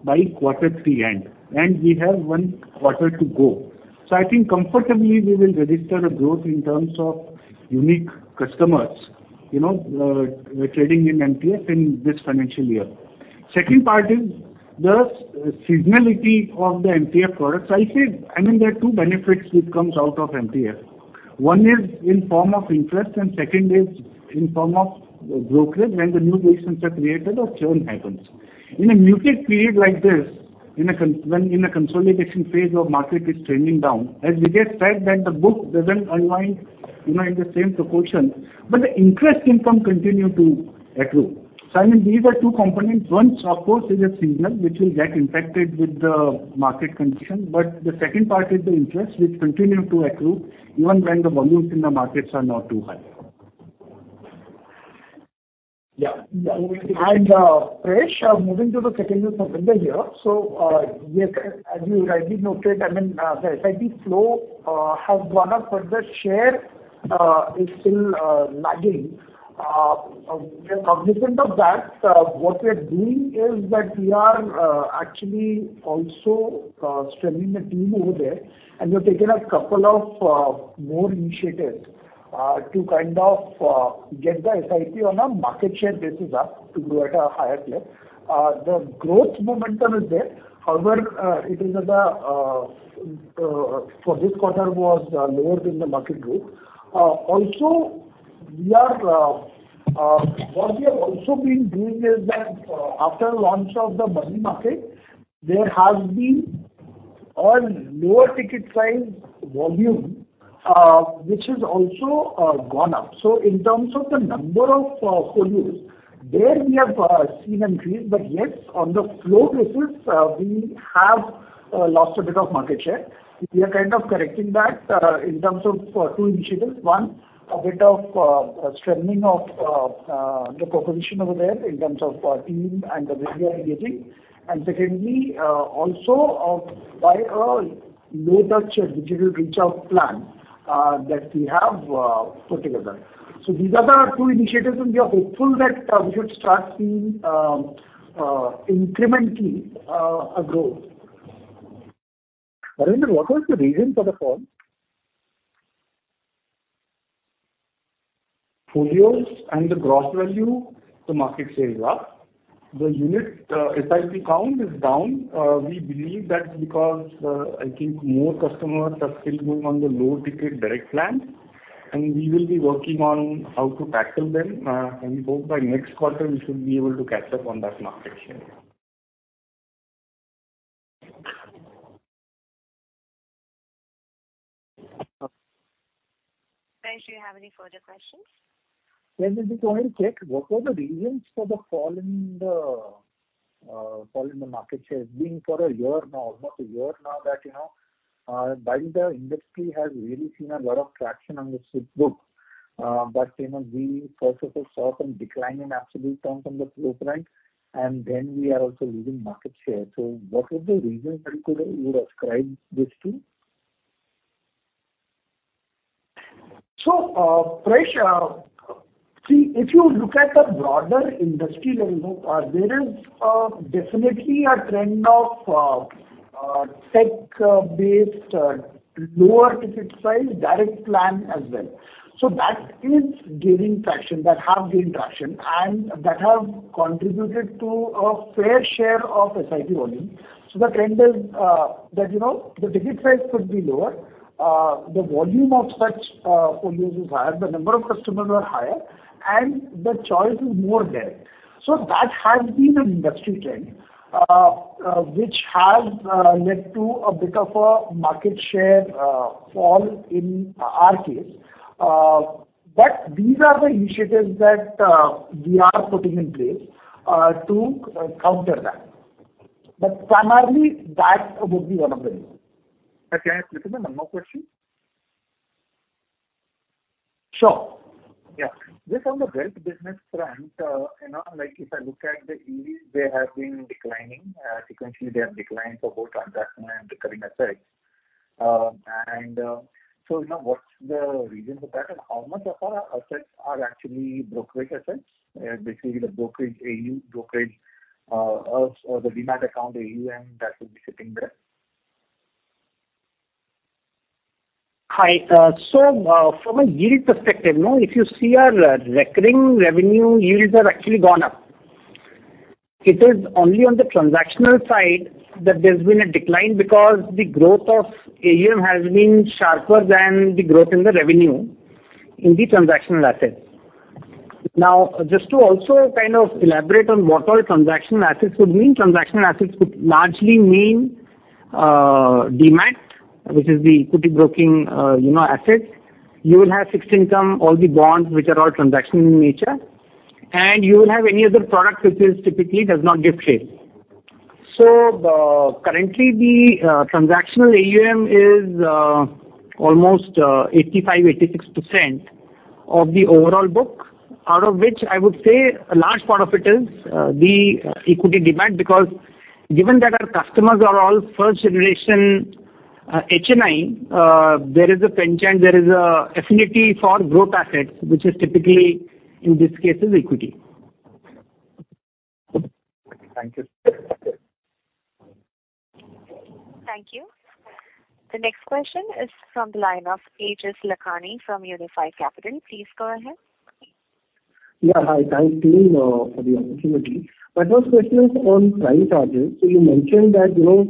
F: by quarter three end, and we have one quarter to go. I think comfortably we will register a growth in terms of unique customers, you know, trading in MTF in this financial year. Second part is the seasonality of the MTF products. I mean, there are two benefits which comes out of MTF. One is in form of interest, second is in form of brokerage when the new basins are created or churn happens. In a muted period like this, in a consolidation phase where market is trending down, as Vijay said, that the book doesn't unwind, you know, in the same proportion, but the interest income continue to accrue. I mean, these are two components. One of course is a seasonal which will get impacted with the market condition, but the second part is the interest which continue to accrue even when the volumes in the markets are not too high.
B: Yeah.
F: Fresh, moving to the second year for the year. Yes, as you rightly noted, I mean, the SIP flow has gone up, but the share is still lagging. We are cognizant of that. What we are doing is that we are actually also strengthening the team over there, and we've taken a couple of more initiatives to kind of get the SIP on a market share basis up to a higher place. The growth momentum is there. However, it is at a for this quarter was lower than the market growth. Also, we are what we have also been doing is that after launch of the money market, there has been a lower ticket size volume which has also gone up. In terms of the number of folios, there we have seen increase. Yes, on the flow basis, we have lost a bit of market share. We are kind of correcting that in terms of two initiatives. One, a bit of strengthening of the proposition over there in terms of our team and the way we are engaging. Secondly, also, by a low-touch digital reach out plan that we have put together. These are the two initiatives, and we are hopeful that we should start seeing incrementally a growth.
B: Harvinder, what was the reason for the fall?
H: Folios and the gross value, the market share is up. The unit, SIP count is down. We believe that's because, I think more customers are still going on the low-ticket direct plan, and we will be working on how to tackle them. We hope by next quarter we should be able to catch up on that market share.
A: Prayesh, do you have any further questions?
G: Prayesh Jain, just wanted to check what were the reasons for the fall in the market share. Being for a year now, almost a year now that, you know, while the industry has really seen a lot of traction on the switchbook, you know we first of all saw some decline in absolute terms on the flow front, and then we are also losing market share. What is the reason that you would ascribe this to?
F: Fresh, see, if you look at the broader industry level, there is definitely a trend of tech based lower ticket size direct plan as well. That is gaining traction. That have gained traction and that have contributed to a fair share of SIP volume. The trend is that, you know, the ticket price could be lower. The volume of such folios is higher, the number of customers are higher and the choice is more there. That has been an industry trend which has led to a bit of a market share fall in our case. These are the initiatives that we are putting in place to counter that. Primarily that would be one of the reasons.
G: Can I please have one more question?
F: Sure.
G: Yeah. Just on the wealth business front, you know, like if I look at the EVs, they have been declining. Sequentially they have declined for both transactional and recurring assets. You know, what's the reason for that? How much of our assets are actually brokerage assets? Basically the brokerage or the DMAT account AUM that will be sitting there.
E: Hi. From a yield perspective, you know, if you see our recurring revenue yields have actually gone up. It is only on the transactional side that there's been a decline because the growth of AUM has been sharper than the growth in the revenue in the transactional assets. Now, just to also kind of elaborate on what all transactional assets would mean. Transactional assets would largely mean, DMAT, which is the equity broking, you know, assets. You will have fixed income, all the bonds, which are all transactional in nature, and you will have any other product which is typically does not give shape.
B: Currently the transactional AUM is almost 85%-86% of the overall book, out of which I would say a large part of it is the equity DMAT because given that our customers are all first generation HNI, there is a penchant, there is an affinity for growth assets, which is typically, in this case, is equity.
G: Thank you.
A: Thank you. The next question is from the line of Aejas Lakhani from Unifi Capital. Please go ahead.
I: Yeah. Hi. Thank you for the opportunity. My first question is on Prime charges. You mentioned that, you know,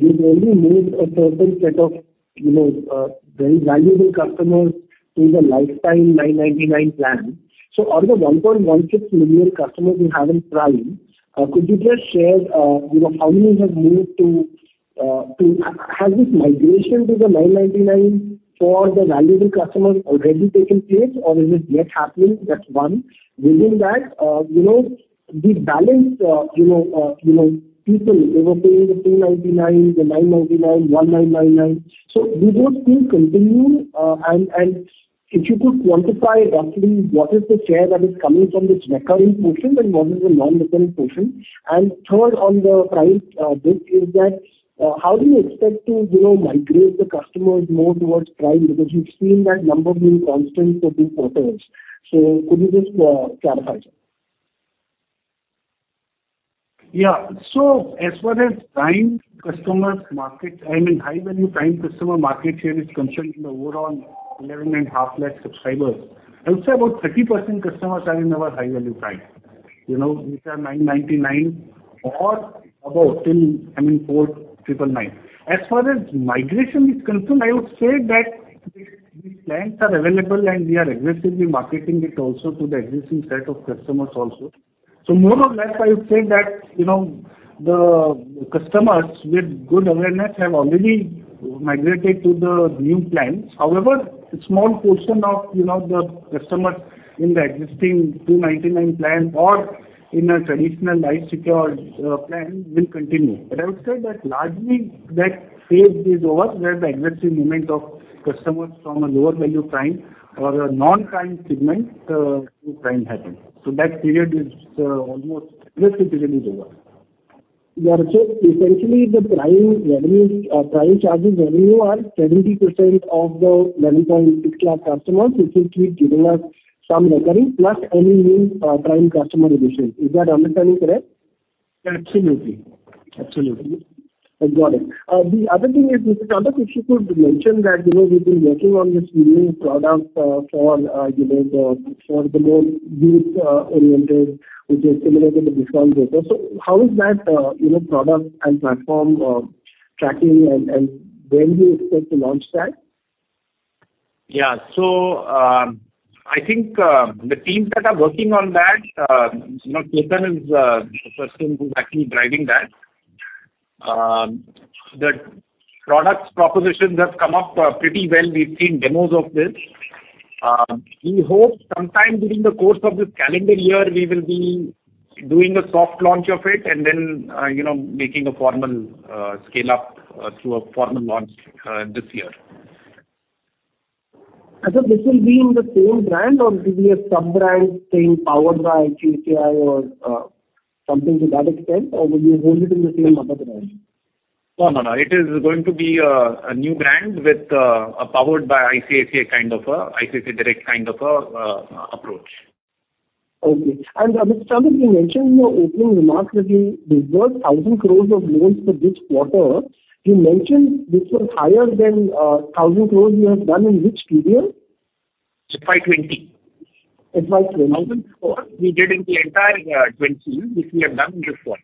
I: you've only moved a certain set of, you know, very valuable customers to the Life Time Prepaid Brokerage Plan. So of the 1.16 million customers you have in Prime, could you just share, you know, how many have moved to? Has this migration to the 999 for the valuable customers already taken place or is it yet happening? That's one. Within that, you know, the balance, you know, people they were paying the 299, the 999, 1,999. Will those fees continue? And if you could quantify roughly what is the share that is coming from this recurring portion and what is the non-recurring portion? Third, on the Prime bit is that, how do you expect to, you know, migrate the customers more towards Prime? You've seen that number being constant for the quarters. Could you just clarify, sir?
B: Yeah. As far as Prime customers market, I mean, high-value Prime customer market share is concerned in the overall 11.5 lakh subscribers, I would say about 30% customers are in our high-value Prime. You know, these are 999 or above till, I mean, 4,999. As far as migration is concerned, I would say that these plans are available, and we are aggressively marketing it also to the existing set of customers also. More or less, I would say that, you know, the customers with good awareness have already migrated to the new plans. However, a small portion of, you know, the customers in the existing 299 plan or in a traditional I-Secure plan will continue. I would say that largely that phase is over, where the aggressive movement of customers from a lower value Prime or a non-Prime segment, to Prime happened. That period is, almost this period is over.
I: Essentially the Prime revenue, Prime charges revenue are 70% of the 11.6 lakh customers, which will keep giving us some recurring plus any new Prime customer addition. Is that understanding correct?
B: Absolutely. Absolutely.
I: Got it. The other thing is, Mr. Chandok, you could mention that, you know, we've been working on this new product, for, you know, the, for the more youth, oriented, which is similar to the digital broker. How is that, you know, product and platform, tracking and when do you expect to launch that?
B: Yeah. I think the teams that are working on that, you know, Clayton is the person who's actually driving that. The product propositions have come up pretty well. We've seen demos of this. We hope sometime during the course of this calendar year we will be doing a soft launch of it and then, you know, making a formal scale-up through a formal launch this year.
I: This will be in the same brand or it will be a sub-brand saying powered by ICICI or, something to that extent or will you hold it in the same other brand?
B: No, no. It is going to be a new brand with a powered by ICICI kind of a, ICICI Direct kind of a approach.
I: Okay. Mr. Chandok, you mentioned in your opening remarks that you dispersed 1,000 crore of loans for this quarter. You mentioned this was higher than 1,000 crore you have done in which period?
B: FY 2020.
I: FY 2020.
B: We did in the entire, 20, which we have done in this quarter.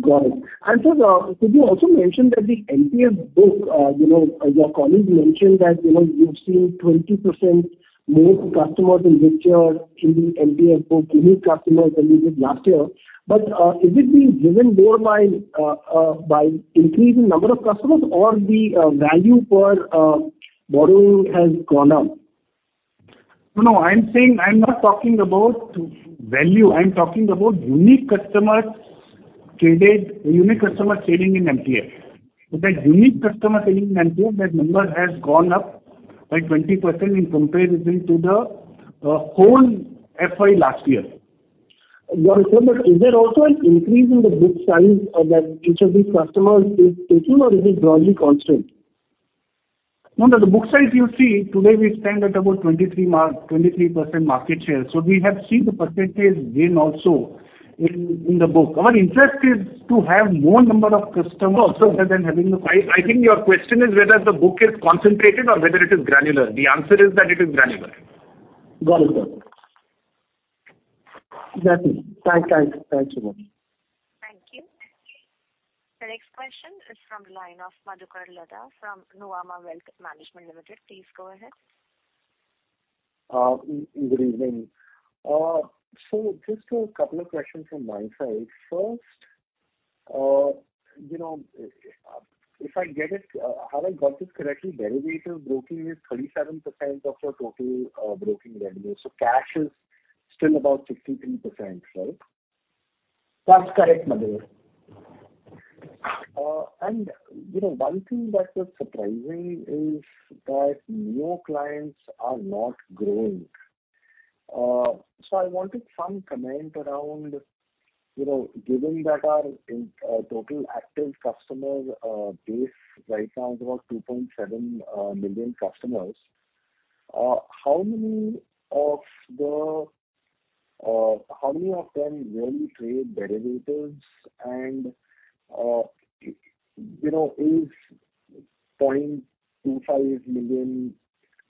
I: Got it. Sir, could you also mention that the NPF book, you know, your colleague mentioned that, you know, you've seen 20% more customers in this year in the NPF book, unique customers than you did last year. Is it being driven more by increasing number of customers or the value per borrowing has gone up?
B: No, no. I'm saying I'm not talking about value. I'm talking about unique customers traded, unique customers trading in MTF. That unique customer trading in NPF, that number has gone up by 20% in comparison to the whole FY last year.
I: Got it. Is there also an increase in the book size of that each of these customers is taking or is it broadly constant?
B: No. The book size you see today we stand at about 23% market share. We have seen the percentage gain also in the book. Our interest is to have more number of customers rather than having. I think your question is whether the book is concentrated or whether it is granular. The answer is that it is granular.
I: Got it, sir. That's it. thanks. Thanks a lot.
A: Thank you. The next question is from the line of Madhukar Ladha from Nuvama Wealth Management Limited. Please go ahead.
J: Good evening. Just a couple of questions from my side. First, you know, if I get it, have I got this correctly? Derivatives broking is 37% of your total, broking revenue, so cash is still about 63%, right?
F: That's correct, Madhukar.
J: You know, one thing that was surprising is that Neo clients are not growing. I wanted some comment around, you know, given that our total active customer base right now is about 2.7 million customers. How many of them really trade derivatives? You know, is 0.25 million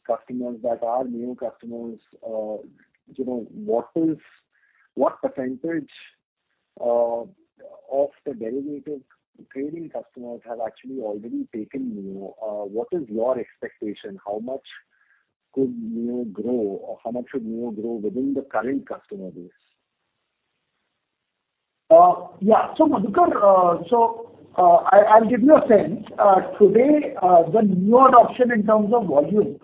J: customers that are new customers, you know, what percentage of the derivative trading customers have actually already taken Neo? What is your expectation? How much could Neo grow or how much should Neo grow within the current customer base?
F: Yeah. Madhukar, I'll give you a sense. Today, the Neo adoption in terms of volume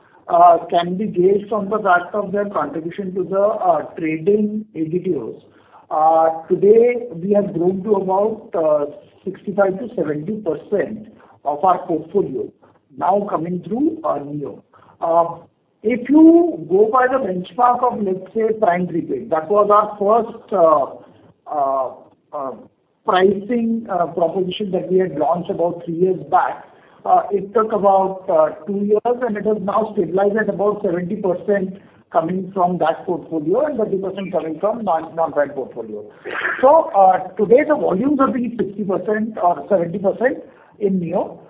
F: can be gauged from the fact of their contribution to the trading EBITDAs. Today we have grown to about 65%-70% of our portfolio now coming through our Neo. If you go by the benchmark of, let's say, Prime Prepaid, that was our first pricing proposition that we had launched about three years back. It took about two years, and it has now stabilized at about 70% coming from that portfolio and 30% coming from non-brand portfolio. Today the volumes will be 60% or 70% in Neo.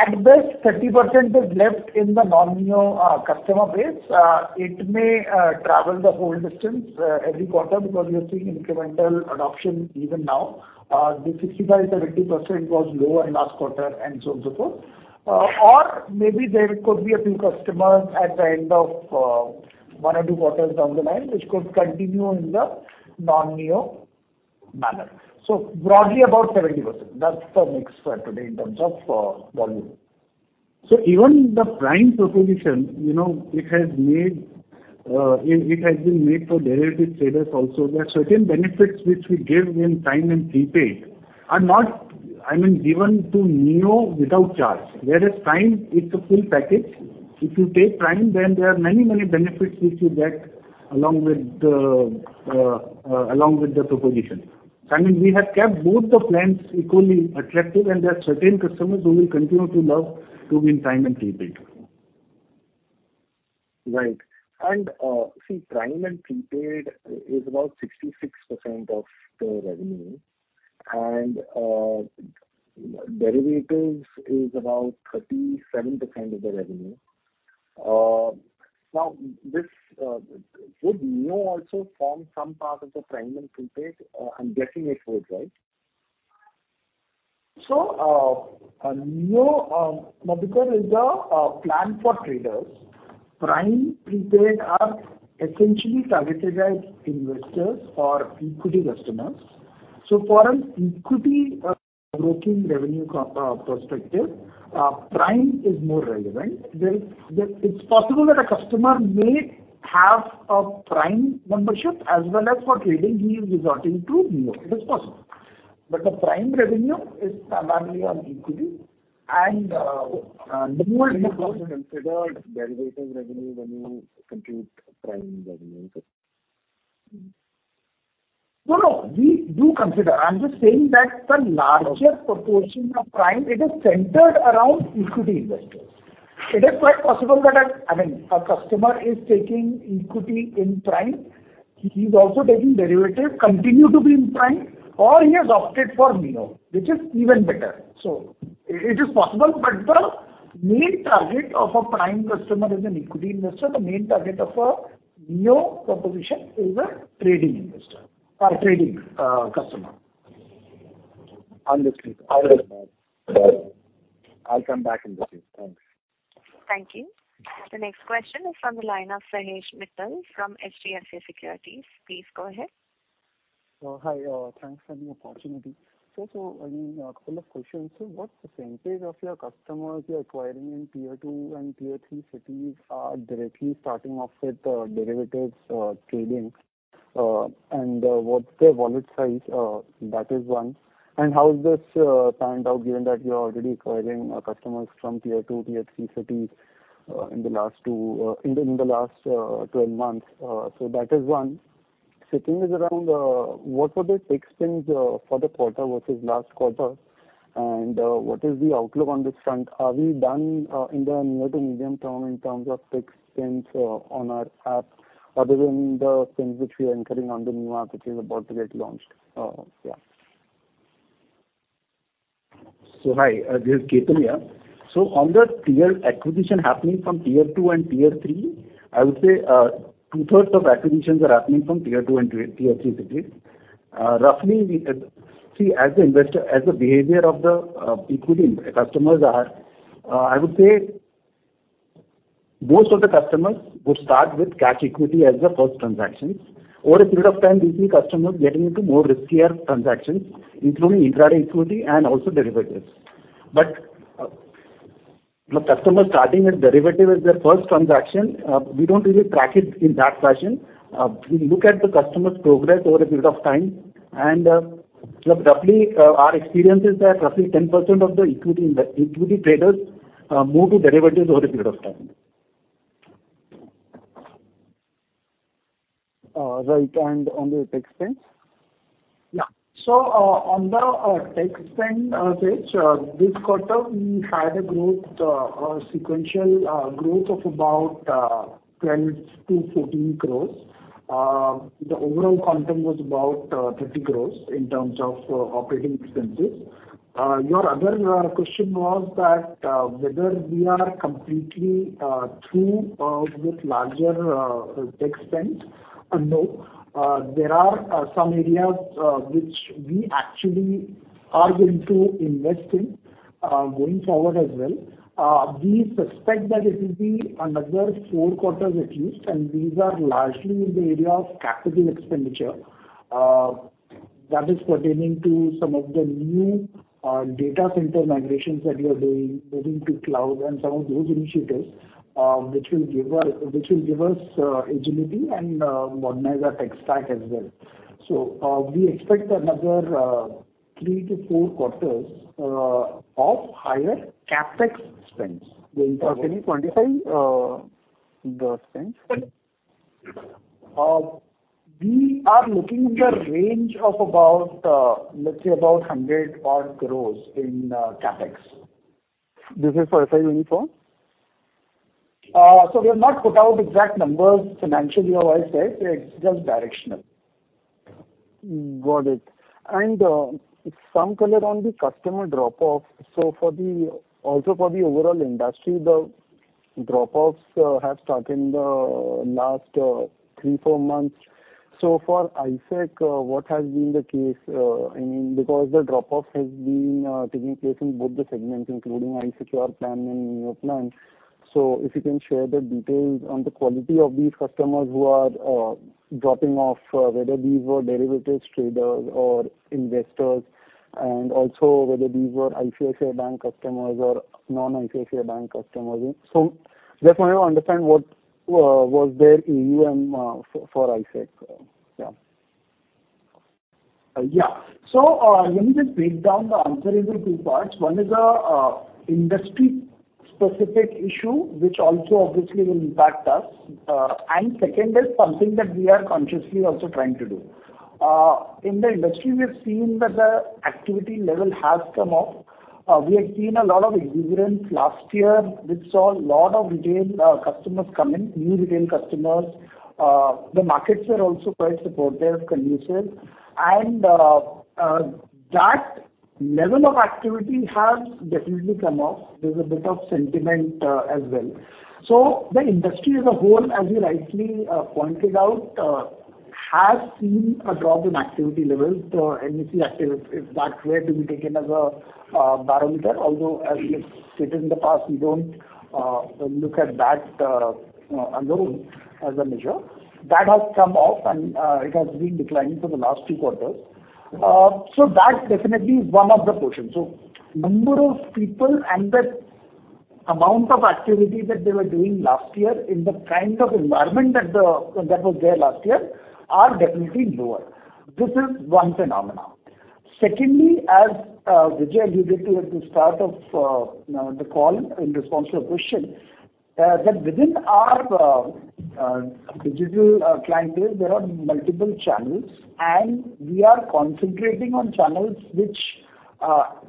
F: At best 30% is left in the non-Neo customer base. It may travel the whole distance every quarter because we are seeing incremental adoption even now. The 65%-70% was lower last quarter and so on, so forth. Or maybe there could be a few customers at the end of one or two quarters down the line which could continue in the non-Neo manner. Broadly about 70%, that's the mix for today in terms of volume. Even the Prime proposition, you know, it has made it has been made for derivative traders also. There are certain benefits which we give in Prime and Prepaid are not, I mean, given to Neo without charge. Prime, it's a full package. If you take Prime, then there are many, many benefits which you get along with the along with the proposition. I mean, we have kept both the plans equally attractive, and there are certain customers who will continue to love to be in Prime and Prepaid.
J: Right. See Prime and Prepaid is about 66% of the revenue and, derivatives is about 37% of the revenue. This, would Neo also form some part of the Prime and Prepaid? I'm guessing it would, right?
F: Neo, Madhukar, is a plan for traders. Prime, Prepaid are essentially targeted at investors or equity customers. For an equity broking revenue perspective, Prime is more relevant. It's possible that a customer may have a Prime membership as well as for trading he is resorting to Neo. It is possible. The Prime revenue is primarily on equity and Neo is.
J: You don't consider derivatives revenue when you compute Prime revenue?
F: No, no, we do consider. I'm just saying that the larger proportion of Prime, it is centered around equity investors. It is quite possible that, I mean, a customer is taking equity in Prime. He's also taking derivative, continue to be in Prime, or he has opted for Neo, which is even better. It is possible, but the main target of a Prime customer is an equity investor. The main target of a Neo proposition is a trading investor or trading customer.
J: Understood.
F: All right.
J: I'll come back and discuss. Thanks.
A: Thank you. The next question is from the line of Sahej Mittal from HDFC Securities. Please go ahead.
K: Hi. Thanks for the opportunity. I mean, a couple of questions. What's the percentage of your customers you're acquiring in tier two and tier three cities are directly starting off with derivatives trading? What's their wallet size? That is one. How has this panned out given that you're already acquiring customers from tier two, tier three cities in the last 12 months? That is one. Second is around, what were the tech spends for the quarter versus last quarter? What is the outlook on this front? Are we done in the near to medium term in terms of tech spends on our app other than the spends which we are incurring on the new app which is about to get launched?
L: Hi, this is Ketan here. On the tier acquisition happening from tier two and tier three, I would say, two-thirds of acquisitions are happening from tier two and tier three cities. Roughly, as an investor, as the behavior of the equity customers are, I would say most of the customers would start with cash equity as their first transaction. Over a period of time, we see customers getting into more riskier transactions, including intra equity and also derivatives. Customers starting with derivative as their first transaction, we don't really track it in that fashion. We look at the customer's progress over a period of time. Roughly, our experience is that roughly 10% of the equity traders move to derivatives over a period of time.
K: Right. On the tech spends?
H: on the tech spend, which this quarter we had a growth sequential growth of about 12-14 crores. The overall content was about 30 crores in terms of OpEx. Your other question was that whether we are completely through with larger tech spends. No. There are some areas which we actually are going to invest in going forward as well. We suspect that it will be another four quarters at least, and these are largely in the area of CapEx. That is pertaining to some of the new data center migrations that we are doing, moving to cloud and some of those initiatives, which will give us agility and modernize our tech stack as well. We expect another three to four quarters of higher CapEx spends going forward.
K: Can you quantify the spends?
H: We are looking in the range of about, let's say about 100 odd crores in CapEx.
K: This is for FY 2024?
H: We have not put out exact numbers financially or wise there. It's just directional.
K: Some color on the customer drop-off. Also for the overall industry, the drop-offs have started in the last three, four months. For ICICI, what has been the case, I mean, because the drop-off has been taking place in both the segments, including I-Secure plan and Neo plan. If you can share the details on the quality of these customers who are dropping off, whether these were derivatives traders or investors, and also whether these were ICICI Bank customers or non-ICICI Bank customers. Just wanted to understand what was their AUM for ICICI.
F: Yeah. Let me just break down the answer into two parts. One is, industry specific issue, which also obviously will impact us. Second is something that we are consciously also trying to do. In the industry, we've seen that the activity level has come up. We had seen a lot of exuberance last year. We saw a lot of retail, customers come in, new retail customers. The markets were also quite supportive, conducive. That level of activity has definitely come up. There's a bit of sentiment, as well. The industry as a whole, as you rightly, pointed out, has seen a drop in activity levels. NSE active, if that were to be taken as a, barometer. Although, as we have stated in the past, we don't look at that alone as a measure. That has come off and it has been declining for the last two quarters. That definitely is one of the portions. Number of people and the amount of activity that they were doing last year in the kind of environment that was there last year are definitely lower. This is one phenomenon. Secondly, as Vijay alluded to at the start of, you know, the call in response to a question, that within our digital client base, there are multiple channels, and we are concentrating on channels which,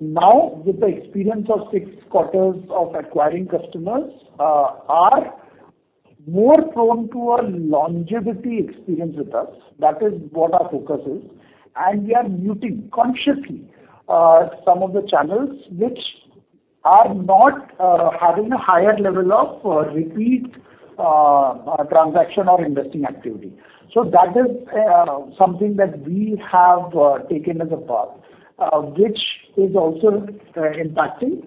F: now with the experience of six quarters of acquiring customers, are more prone to a longevity experience with us. That is what our focus is. We are muting consciously some of the channels which are not having a higher level of repeat transaction or investing activity. That is something that we have taken as a path, which is also impacting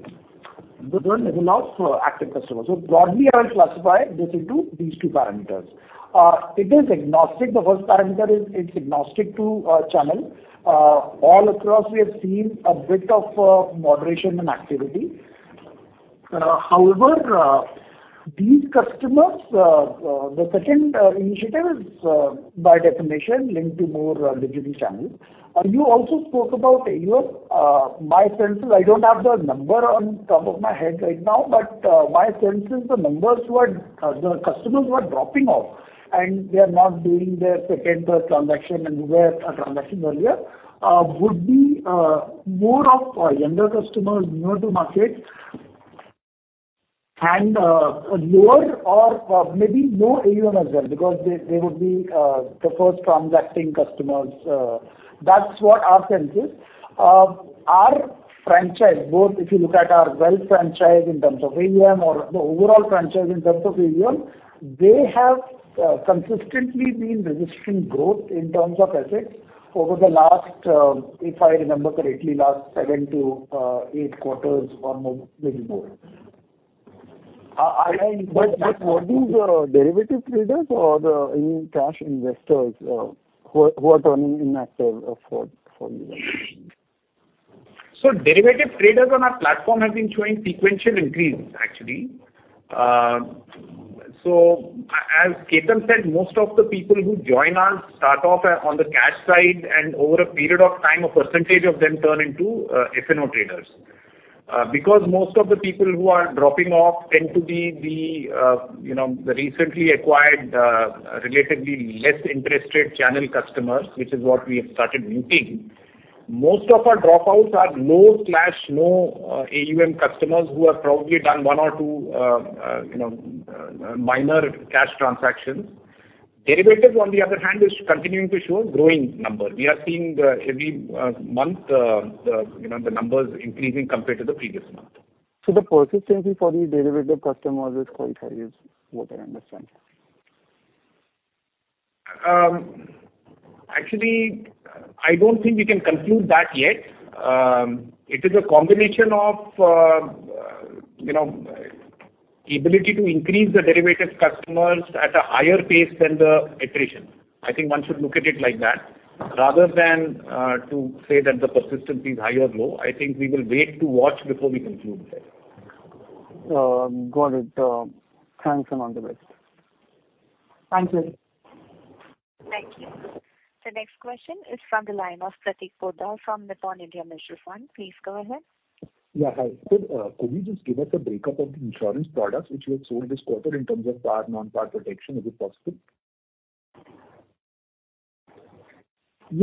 F: the overall level of active customers. Broadly, I will classify this into these two parameters. It is agnostic. The first parameter is it's agnostic to channel. All across, we have seen a bit of moderation in activity. However, these customers, the second initiative is by definition linked to more digital channels. You also spoke about your my senses the numbers were the customers were dropping off and they are not doing their second transaction and were transacting earlier would be more of younger customers new to market and lower or maybe no AUM as well because they would be the first transacting customers. That's what our sense is. Our franchise, both if you look at our wealth franchise in terms of AUM or the overall franchise in terms of AUM, they have consistently been registering growth in terms of assets over the last, if I remember correctly, last 7-8 quarters or more, maybe more.
K: Were these derivative traders or the cash investors who are turning inactive for you?
B: Derivative traders on our platform have been showing sequential increase actually. As Ketan said, most of the people who join us start off on the cash side and over a period of time, a percentage of them turn into F&O traders. Most of the people who are dropping off tend to be the, you know, the recently acquired, relatively less interested channel customers, which is what we have started muting. Most of our dropouts are low/no AUM customers who have probably done one or two, you know, minor cash transactions. Derivatives on the other hand is continuing to show a growing number. We are seeing every month, the, you know, the numbers increasing compared to the previous month.
K: The persistence for the derivative customers is quite high, is what I understand.
B: Actually, I don't think we can conclude that yet. It is a combination of ability to increase the derivatives customers at a higher pace than the attrition. I think one should look at it like that rather than to say that the persistence is high or low. I think we will wait to watch before we conclude that.
K: got it. thanks and all the best.
B: Thanks, sir.
A: Thank you. The next question is from the line of Prateek Poddar from Nippon India Mutual Fund. Please go ahead.
M: Yeah, hi. Could, could you just give us a breakup of the insurance products which were sold this quarter in terms of PAR/non-par protection, is it possible?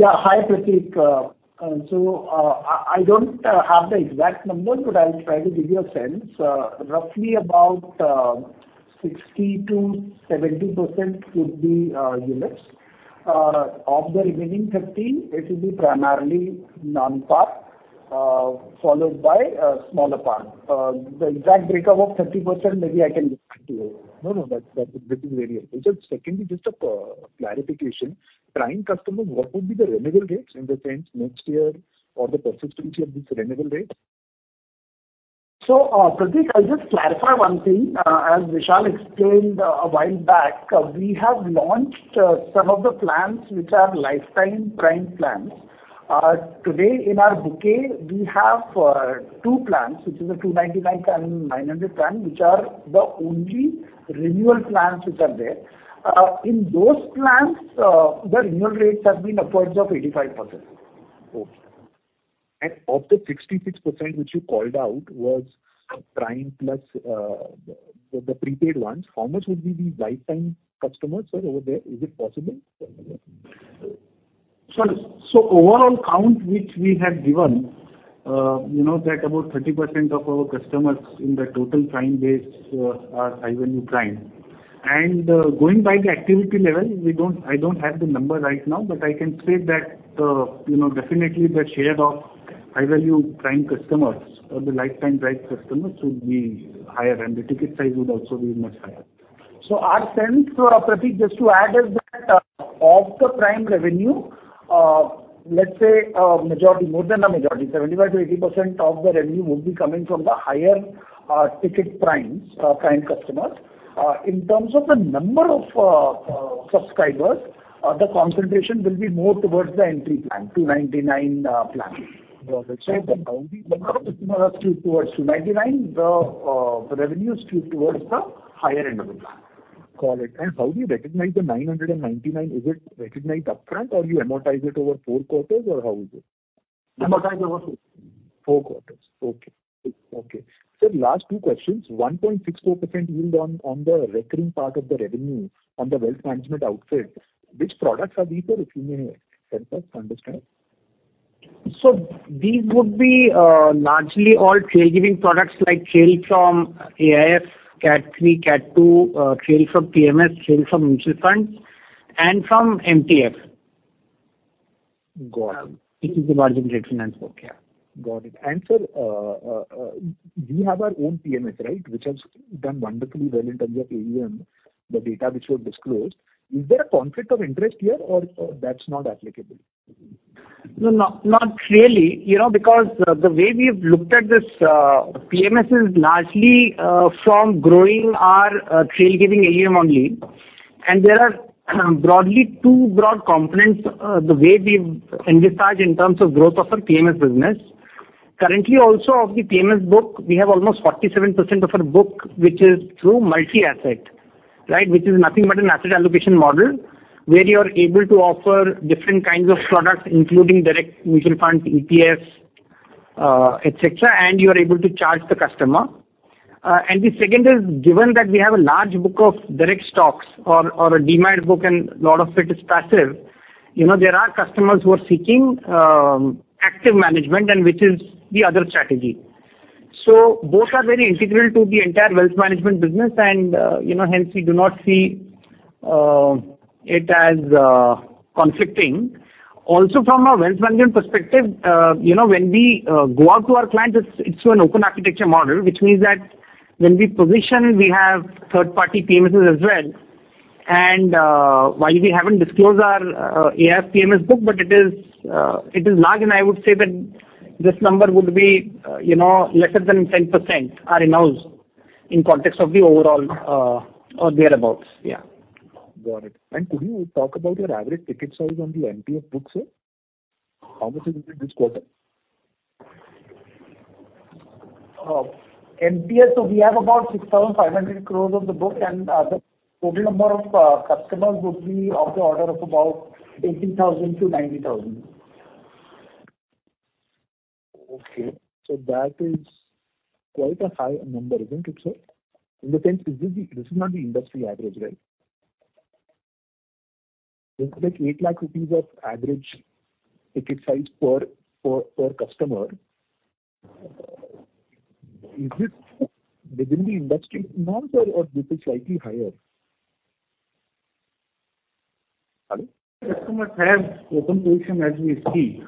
B: Hi, Prateek. I don't have the exact number, but I'll try to give you a sense. Roughly about 60%-70% would be units. Of the remaining 30, it will be primarily non-par, followed by smaller PAR. The exact breakup of 30% maybe I can get back to you.
M: No, no. This is very helpful. Secondly, just a clarification. Prime customers, what would be the renewal rates in the sense next year or the persistency of these renewal rates?
B: Prateek, I'll just clarify one thing. As Vishal explained a while back, we have launched some of the plans which are lifetime Prime plans. Today in our bouquet, we have two plans, which is a 299 and 900 plan, which are the only renewal plans which are there. In those plans, the renewal rates have been upwards of 85%.
M: Okay. Of the 66% which you called out was Prime plus, the prepaid ones. How much would be the lifetime customers, sir, over there? Is it possible?
B: Overall count which we have given, you know, that about 30% of our customers in the total Prime base are high value Prime. Going by the activity level, I don't have the number right now, but I can say that, you know, definitely the share of high value Prime customers or the lifetime Prime customers would be higher and the ticket size would also be much higher.
F: Our sense, Prateek, just to add is that of the prime revenue, let's say a majority, more than a majority, 75%-80% of the revenue would be coming from the higher ticket primes, prime customers. In terms of the number of subscribers, the concentration will be more towards the entry plan, 299 plan.
M: Got it.
F: The volume number would skew towards 299. The, the revenue skew towards the higher end of it.
M: Got it. How do you recognize the 999? Is it recognized upfront or you amortize it over four quarters or how is it?
F: Amortize over four quarters.
M: Four quarters. Okay. Okay. Sir, last two questions. 1.64% yield on the recurring part of the revenue on the wealth management outfit. Which products are these, sir, if you may help us to understand?
F: These would be, largely all trail giving products like trail from AIF, Category III, Category II, trail from PMS, trail from mutual funds and from MTF.
M: Got it.
F: Which is the margin debt finance book. Yeah.
M: Got it. sir, we have our own PMS, right? Which has done wonderfully well in terms of AUM, the data which was disclosed. Is there a conflict of interest here or that's not applicable?
F: No, not really. You know, because the way we've looked at this, PMS is largely from growing our trail giving AUM only. There are broadly two broad components, the way we've envisaged in terms of growth of our PMS business. Currently also of the PMS book, we have almost 47% of our book, which is through multi-asset, right? Which is nothing but an asset allocation model, where you are able to offer different kinds of products, including direct mutual funds, ETFs, et cetera, and you are able to charge the customer. The second is, given that we have a large book of direct stocks or a DMAT book, and a lot of it is passive. You know, there are customers who are seeking active management and which is the other strategy. Both are very integral to the entire wealth management business and, you know, hence we do not see it as conflicting. Also from a wealth management perspective, you know, when we go out to our clients, it's an open architecture model, which means that when we position, we have third-party PMSs as well. While we haven't disclosed our AIF PMS book, but it is, it is large, and I would say that this number would be, you know, lesser than 10% are in-house in context of the overall, or thereabout. Yeah.
M: Got it. Could you talk about your average ticket size on the NPS book, sir? How much is it this quarter?
F: NPS, we have about 6,500 crores of the book and the total number of customers would be of the order of about 18,000-90,000.
M: Okay. That is quite a high number, isn't it, sir? In the sense, this is not the industry average, right? Is it like 8 lakh rupees of average ticket size per, per customer? Is it within the industry normal or this is slightly higher?
F: Sorry.
M: Customers have open position as we see.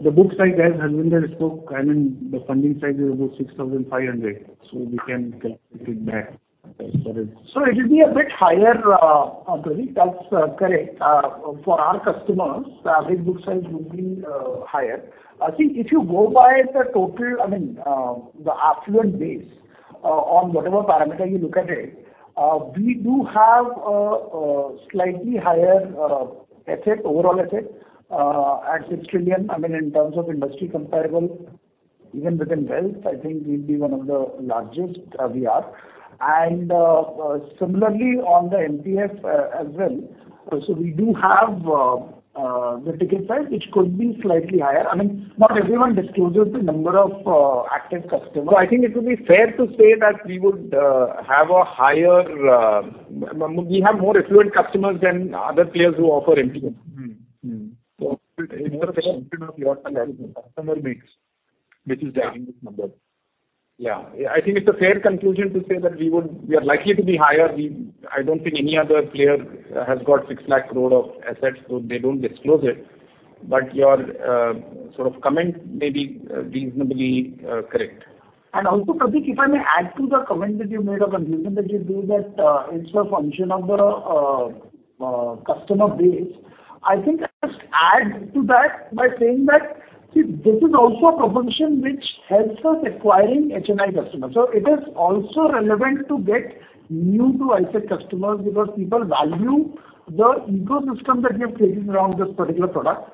M: The book size, as Harvinder spoke, I mean, the funding size is about 6,500, so we can calculate it back.
F: It will be a bit higher, Pradeep. That's correct. For our customers, the average book size would be higher. I think if you go by the total, I mean, the affluent base on whatever parameter you look at it, we do have a slightly higher asset, overall asset, at 6 trillion. I mean, in terms of industry comparable, even within wealth, I think we'd be one of the largest we are. Similarly on the NPS as well. We do have the ticket size, which could be slightly higher. I mean, not everyone discloses the number of active customers. I think it would be fair to say that we would have more affluent customers than other players who offer NPS.
M: Mm-hmm. Mm-hmm. It's a function of your customer base, which is driving this number.
B: Yeah. I think it's a fair conclusion to say that we are likely to be higher. I don't think any other player has got 6 lakh crore of assets, so they don't disclose it. Your sort of comment may be reasonably correct.
F: Also, Pradeep, if I may add to the comment that you made or conclusion that you drew that it's a function of the customer base. I think I'll just add to that by saying that, see, this is also a function which helps us acquiring HNI customers. It is also relevant to get new to ICICI customers because people value the ecosystem that we have created around this particular product.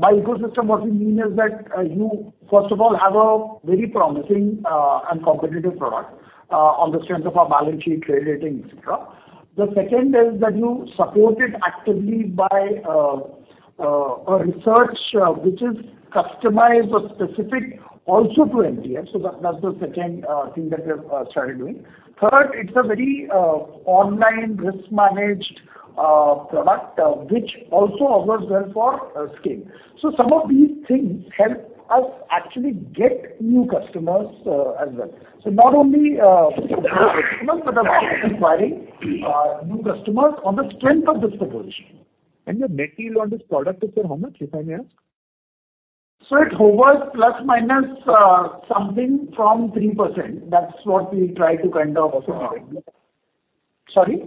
F: by ecosystem, what we mean is that, you first of all have a very promising and competitive product on the strength of our balance sheet, credit rating, et cetera. The second is that you support it actively by a research which is customized or specific also to NPS. That's the second thing that we have started doing. Third, it's a very online risk managed product which also allows well for scale. Some of these things help us actually get new customers as well. Not only existing customers, but also acquiring new customers on the strength of this proposition.
M: Your net yield on this product is, sir, how much, if I may ask?
F: It hovers plus minus, something from 3%. That's what we try to kind of also maintain. Sorry?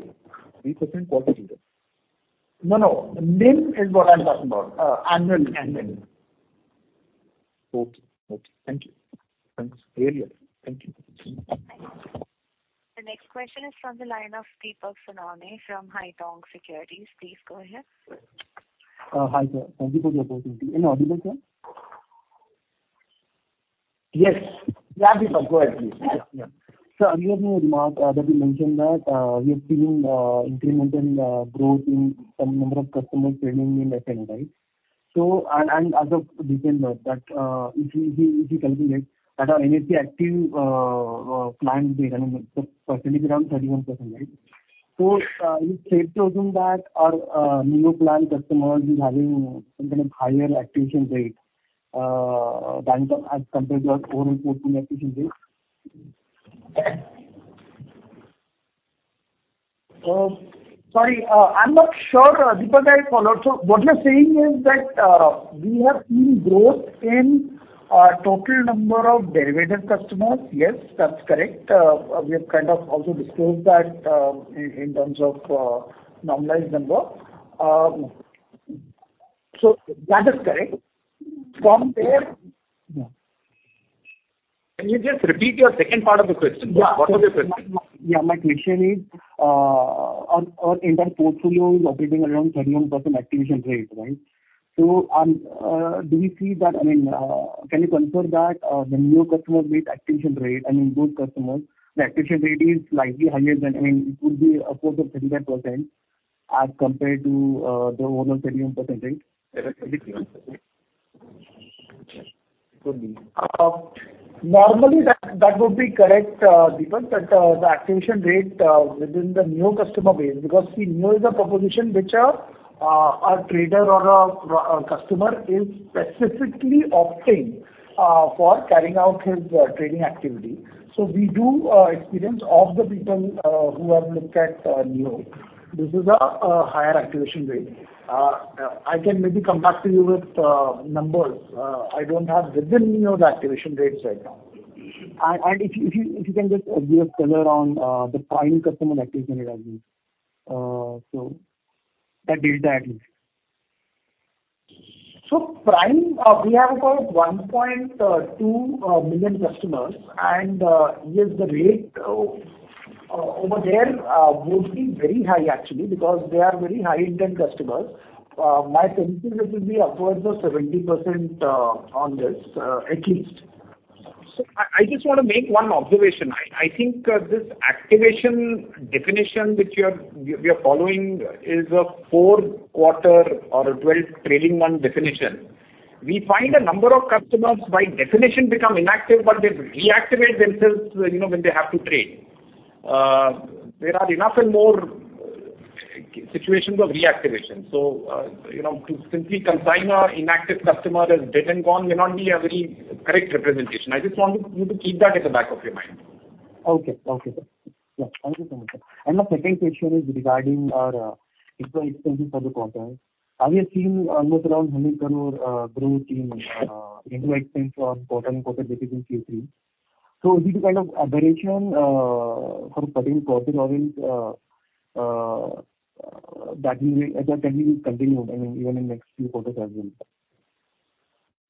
M: Three % what?
F: No, no. NIM is what I'm talking about. annual NIM.
M: Okay. Okay. Thank you. Thanks. Thank you.
A: The next question is from the line of Deepak Sonawane from Haitong Securities. Please go ahead.
N: Hi, sir. Thank you for the opportunity. In audible, sir?
F: Yes. Yeah, Deepak. Go ahead, please.
N: Sir, earlier you remarked, that you mentioned that, you've seen incremental growth in some number of customers trading in F&O, right? As of December that, if we calculate that our NSE active client base, I mean, it's approximately around 31%, right? Is it safe to assume that our new plan customers is having something like higher activation rate, as compared to our old existing activation base?
F: Sorry. I'm not sure, Deepak, I followed. What you're saying is that we have seen growth in our total number of derivative customers. Yes, that's correct. We have kind of also disclosed that in terms of normalized number. That is correct. From there.
B: Can you just repeat your second part of the question?
F: Yeah.
B: What was your second?
N: Yeah, my question is, our entire portfolio is operating around 31% activation rate, right? Do you see that, I mean, can you confirm that, the new customer base activation rate, I mean, those customers, the activation rate is slightly higher than, I mean, it could be upwards of 35% as compared to the overall 31% rate?
B: Could be.
F: Normally that would be correct, Deepak, that the activation rate within the new customer base because the new is a proposition which a trader or a customer is specifically opting for carrying out his trading activity. We do experience of the people who have looked at Neo. This is a higher activation rate. I can maybe come back to you with numbers. I don't have within Neo the activation rates right now.
N: If you can just give us color on the Prime customer activation rate at least. The data at least.
F: Prime, we have about 1.2 million customers and, yes the rate over there would be very high actually because they are very high intent customers. My sense is it will be upwards of 70% on this, at least.
B: I just wanna make one observation. I think this activation definition we are following is a four quarter or a 12 trailing month definition. We find a number of customers by definition become inactive, but they reactivate themselves, you know, when they have to trade. There are enough and more situations of reactivation. You know, to simply consign our inactive customer as dead and gone may not be a very correct representation. I just wanted you to keep that at the back of your mind.
N: Okay. Okay, sir. Yeah. Thank you so much, sir. My second question is regarding our info expenses for the quarter. Are we seeing almost around INR 100 crore growth in info expense from quarter-over-quarter basis in Q3? Is it a kind of aberration from current quarter or is that will, as I'm telling you, continue, I mean, even in next few quarters as well?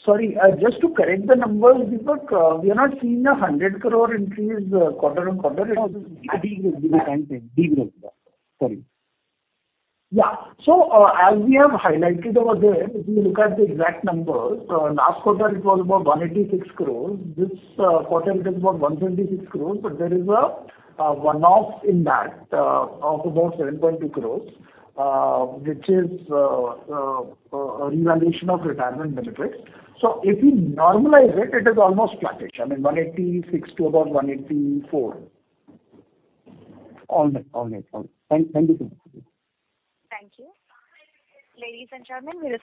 B: Sorry, just to correct the numbers, Deepak, we are not seeing a 100 crore increase quarter-on-quarter.
F: No, degrowth. Sorry.
B: Yeah. As we have highlighted over there, if you look at the exact numbers, last quarter it was about 186 crores. This quarter it is about 126 crores, but there is a one-off in that of about 7.2 crores, which is a revaluation of retirement benefits. If you normalize it is almost flattish. I mean, 186 to about 184.
N: All right. All right. All right. Thank you so much.
A: Thank you. Ladies and gentlemen, we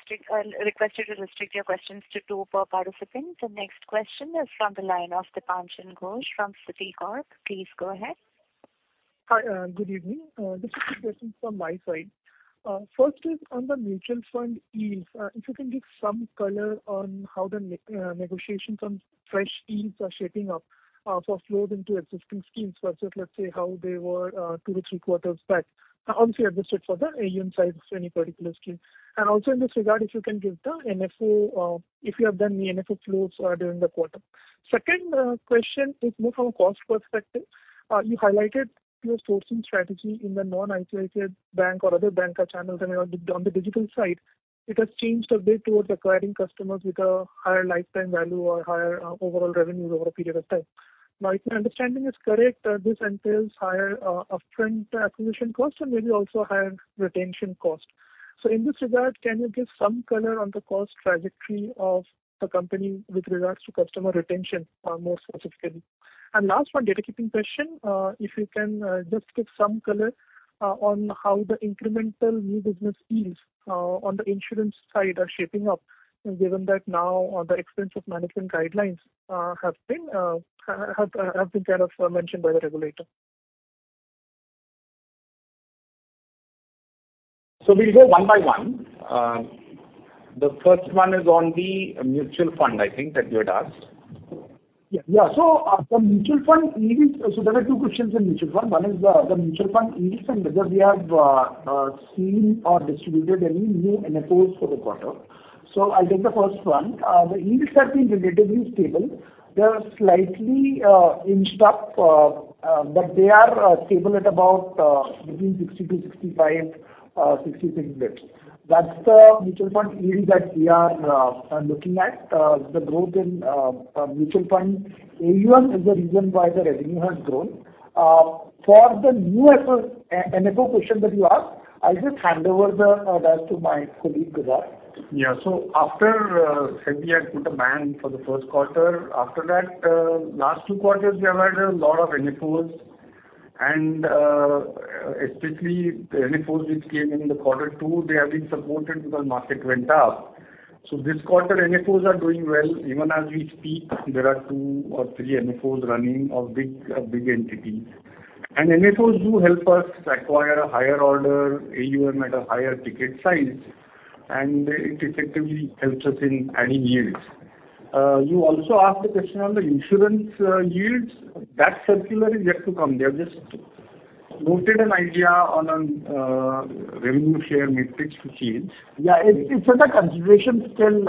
A: request you to restrict your questions to two per participant. The next question is from the line of Dipanjan Ghosh from Citicorp. Please go ahead.
O: Hi, good evening. Just a few questions from my side. First is on the mutual fund yields. If you can give some color on how the negotiations on fresh yields are shaping up for flows into existing schemes versus, let's say, how they were two to three quarters back. Obviously adjusted for the AUM size of any particular scheme. Also in this regard if you can give the NFO, if you have done the NFO flows during the quarter. Second, question is more from a cost perspective. You highlighted your sourcing strategy in the non-ICICI Bank or other banker channels and on the digital side it has changed a bit towards acquiring customers with a higher lifetime value or higher overall revenues over a period of time. If my understanding is correct, this entails higher, upfront acquisition cost and maybe also higher retention cost. In this regard can you give some color on the cost trajectory of the company with regards to customer retention, more specifically? Last one, data keeping question. If you can just give some color on how the incremental new business yields on the insurance side are shaping up given that now the Expenses of Management guidelines have been kind of mentioned by the regulator.
B: We'll go one by one. The first one is on the mutual fund I think that you had asked.
O: Yeah.
F: From mutual fund yields, there are two questions in mutual fund. One is the mutual fund yields and whether we have seen or distributed any new NFOs for the quarter. I'll take the first one. The yields have been relatively stable. They're slightly inched up, but they are stable at about between 60 to 65, 66 bits. That's the mutual fund yield that we are looking at. The growth in mutual fund AUM is the reason why the revenue has grown. For the new NFO question that you asked, I'll just hand over that to my colleague, Prava.
P: Yeah. After SEBI had put a ban for the 1st quarter, after that, last two quarters we have had a lot of NFOs and especially the NFOs which came in the quarter two, they have been supported because market went up. This quarter NFOs are doing well. Even as we speak, there are two or three NFOs running of big entities. NFOs do help us acquire a higher order AUM at a higher ticket size and it effectively helps us in adding yields. You also asked a question on the insurance yields. That circular is yet to come. They have just
O: Noted an idea on a, revenue share matrix to change.
F: Yeah, it's under consideration still,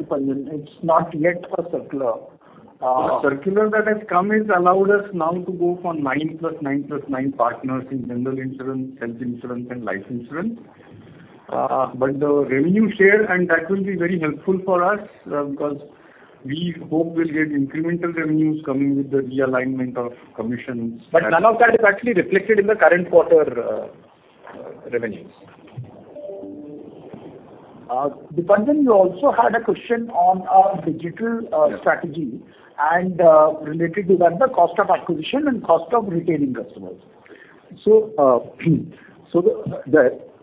F: Dipanjan. It's not yet a circular.
O: The circular that has come has allowed us now to go for 9 plus 9 plus 9 partners in general insurance, health insurance, and life insurance. The revenue share and that will be very helpful for us, because we hope we'll get incremental revenues coming with the realignment of commissions.
F: None of that is actually reflected in the current quarter revenues. Dipanjan, you also had a question on our digital strategy and related to that the cost of acquisition and cost of retaining customers.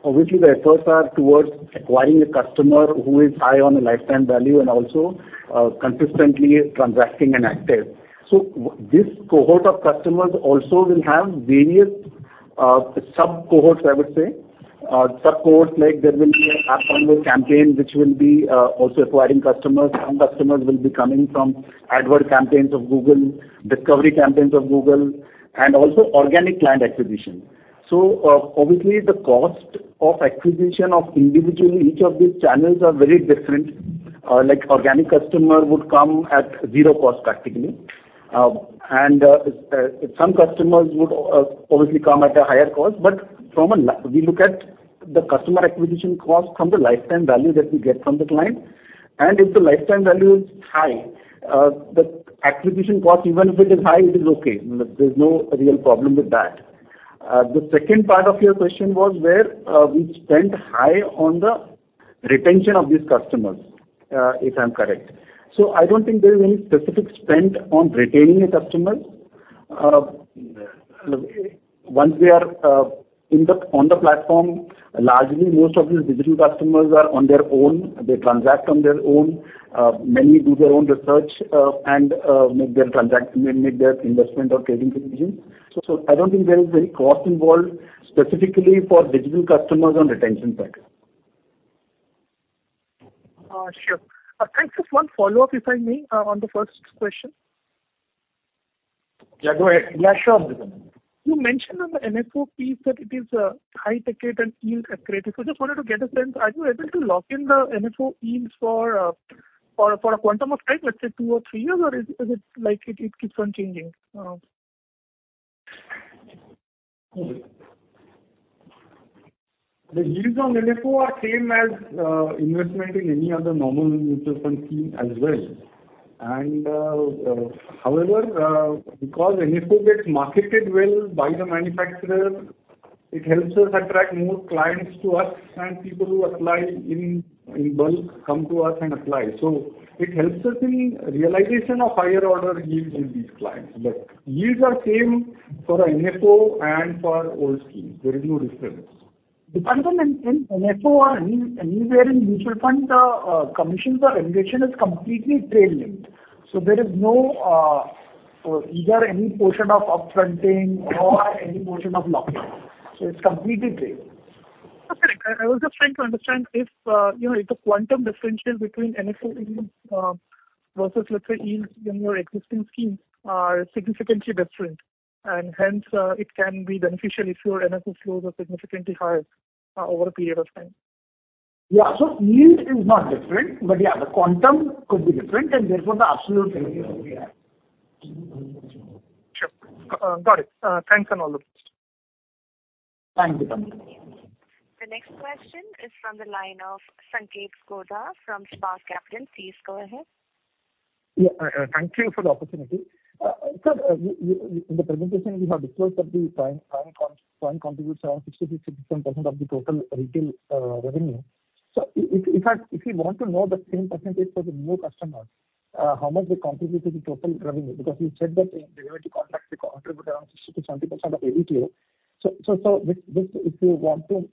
F: Obviously the efforts are towards acquiring a customer who is high on a lifetime value and also consistently transacting and active. This cohort of customers also will have various sub-cohorts, I would say. Sub-cohorts like there will be app-only campaign which will be also acquiring customers. Some customers will be coming from advert campaigns of Google, discovery campaigns of Google and also organic client acquisition. Obviously the cost of acquisition of individual, each of these channels are very different. Like organic customer would come at zero cost practically. Some customers would obviously come at a higher cost. We look at the customer acquisition cost from the lifetime value that we get from the client. If the lifetime value is high, the acquisition cost even if it is high, it is okay. There's no real problem with that. The second part of your question was where we spent high on the retention of these customers, if I'm correct. I don't think there is any specific spend on retaining a customer. Once they are on the platform, largely most of these digital customers are on their own. They transact on their own. Many do their own research and make their transaction and make their investment or trading decisions. I don't think there is any cost involved specifically for digital customers on retention side.
O: Sure. Can I ask just one follow-up, if I may, on the first question?
F: Yeah, go ahead. Yeah, sure, Dipanjan.
O: You mentioned on the NFO piece that it is high ticket and yields are creative. Just wanted to get a sense, are you able to lock in the NFO yields for a quantum of time, let's say two or three years? Or is it like it keeps on changing?
B: The yields on NFO are same as investment in any other normal mutual fund scheme as well. However, because NFO gets marketed well by the manufacturer, it helps us attract more clients to us and people who apply in bulk come to us and apply. It helps us in realization of higher order yields with these clients. Yields are same for NFO and for old schemes. There is no difference.
F: Dipanjan, in NFO or anywhere in mutual funds, commissions or remuneration is completely trail linked. There is no either any portion of up-fronting or any portion of lock-in. It's completely trail.
O: Okay. I was just trying to understand if, you know, if the quantum differential between NFO yields versus let's say yields in your existing schemes are significantly different, and hence, it can be beneficial if your NFO flows are significantly higher over a period of time.
F: Yeah. Yield is not different, but yeah, the quantum could be different and therefore the absolute revenue will be high.
O: Sure. Got it. Thanks a lot.
F: Thank you.
A: The next question is from the line of Sanketh Godha from Spark Capital. Please go ahead.
Q: or the opportunity. Sir, in the presentation you have disclosed that the Prime contributes around 60%-67% of the total retail revenue. So if you want to know the same percentage for the new customers, how much they contribute to the total revenue. Because you said that the derivative contracts they contribute around 60%-70% of AUM. So this if you want to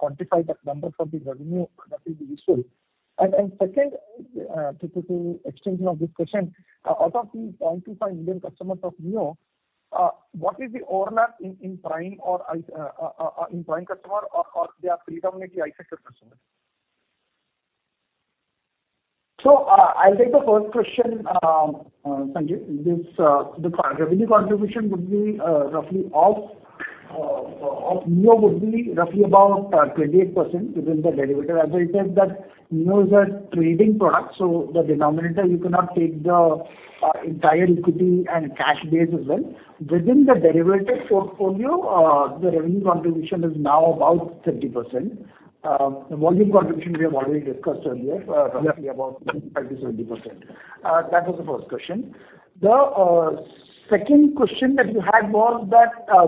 Q: quantify that number for the revenue that will be useful. Second, to extension of this question, out of these 25 million customers of Neo, what is the overlap in Prime or in Prime customer or they are predominantly ICICI Securities customers?
F: I'll take the first question, Sanketh. The revenue contribution would be roughly of Neo would be roughly about 28% within the derivative. As I said that Neo is a trading product, the denominator you cannot take the entire equity and cash base as well. Within the derivative portfolio, the revenue contribution is now about 30%. The volume contribution we have already discussed earlier, roughly about 50%-70%. That was the first question. The second question that you had was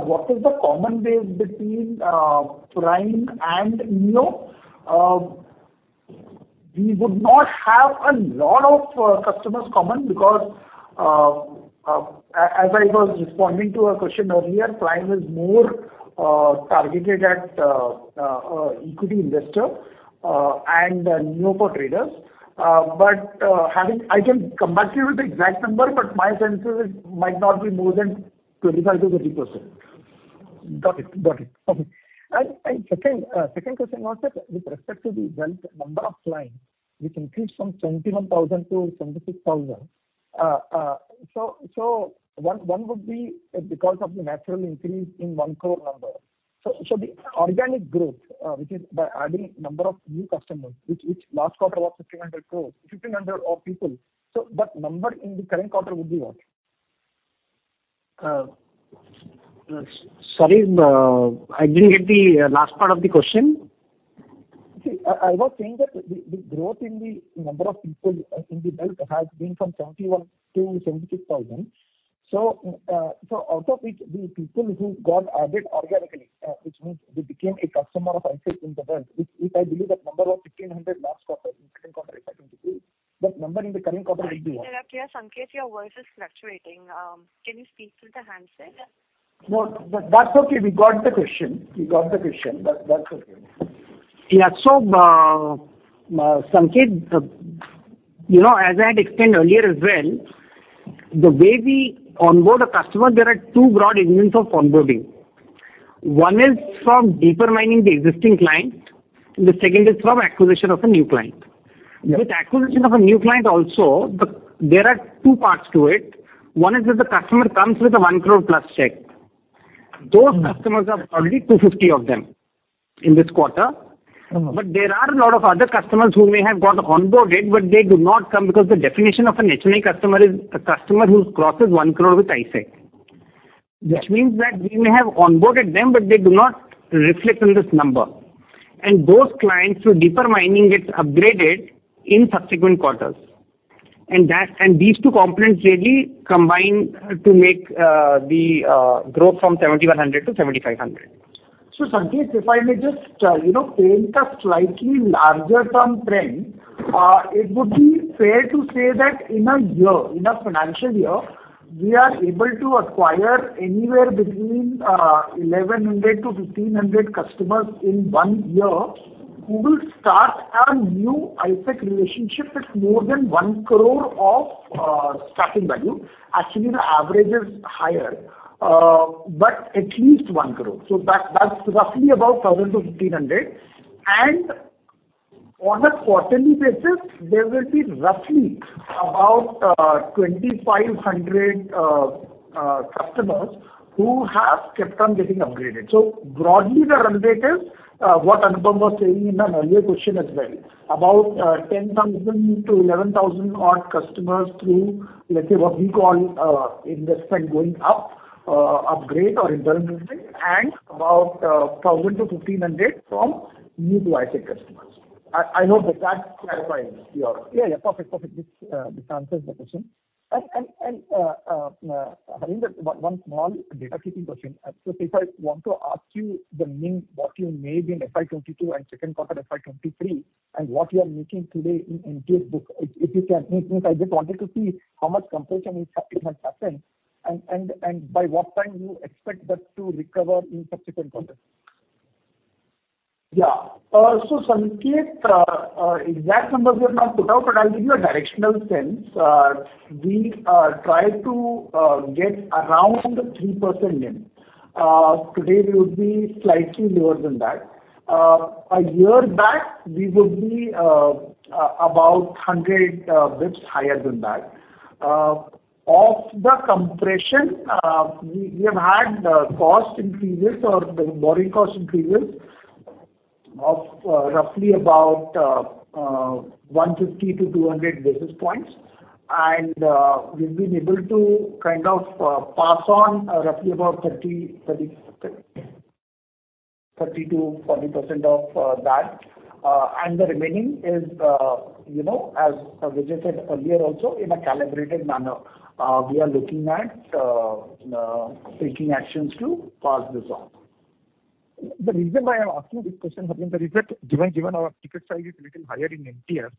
F: what is the common base between Prime and Neo? We would not have a lot of customers common because as I was responding to a question earlier, Prime is more targeted at equity investor and Neo for traders. I can come back to you with the exact number, but my sense is it might not be more than 25%-30%.
Q: Got it. Got it. Okay. Second question was that with respect to the wealth number of clients, which increased from 21,000 to 26,000.
B: One would be because of the natural increase in 1 crore number. The organic growth, which is by adding number of new customers, which last quarter was 1,500 crores, 1,500 people. That number in the current quarter would be what?
F: Sorry, I didn't get the last part of the question.
Q: See, I was saying that the growth in the number of people in the bank has been from 71,000-75,000. Out of which the people who got added organically, which means they became a customer of ICICI in the bank, which I believe that number was 1,500 last quarter. In current quarter, if I can recall. That number in the current quarter would be what?
A: Sorry. Sanketh, your voice is fluctuating. Can you speak through the handset?
F: No, that's okay. We got the question. We got the question. That's okay.
B: Sanket, you know, as I had explained earlier as well, the way we onboard a customer, there are two broad elements of onboarding. One is from deeper mining the existing client, and the second is from acquisition of a new client.
F: Yeah.
B: With acquisition of a new client also, there are two parts to it. One is that the customer comes with a 1 crore plus check.
F: Mm-hmm.
B: Those customers are probably 250 of them in this quarter.
F: Mm-hmm.
B: There are a lot of other customers who may have got onboarded, but they do not come because the definition of an HNI customer is a customer who crosses 1 crore with ICICI.
F: Yes.
B: Which means that we may have onboarded them, but they do not reflect in this number. Those clients, through deeper mining, gets upgraded in subsequent quarters. These two components really combine to make the growth from 7,100 to 7,500.
F: Sanket, if I may just, you know, paint a slightly larger term trend, it would be fair to say that in a year, in a financial year, we are able to acquire anywhere between 1,100 to 1,500 customers in one year who will start a new ICICI relationship with more than 1 crore of starting value. Actually, the average is higher. But at least 1 crore. That's roughly about 1,000-1,500. On a quarterly basis, there will be roughly about 2,500 customers who have kept on getting upgraded. Broadly the run rate is what Anupam was saying in an earlier question as well. About 10,000 to 11,000 odd customers through, let's say, what we call, investment going up, upgrade or internal movement, and about 1,000 to 1,500 from new to ICIC customers. I hope that that clarifies.
Q: Yeah, yeah. Perfect. Perfect. This, this answers the question. Harvinder, one small data keeping question. If I want to ask you the NIM what you made in FY22 and second quarter FY23 and what you are making today in MTF book, if you can. If I just wanted to see how much compression in NIM has happened and by what time you expect that to recover in subsequent quarters.
F: Yeah. Sanketh, exact numbers we have not put out, but I'll give you a directional sense. We try to get around 3% NIM. Today we would be slightly lower than that. A year back, we would be about 100 bits higher than that. Of the compression, we have had cost increases or the borrowing cost increases of roughly about 150-200 basis points. We've been able to kind of pass on roughly about 30-40% of that. The remaining is, you know, as Vijay said earlier also in a calibrated manner, we are looking at taking actions to pass this on.
B: The reason why I'm asking this question, Harvinder, is that given our ticket size is little higher in MTF,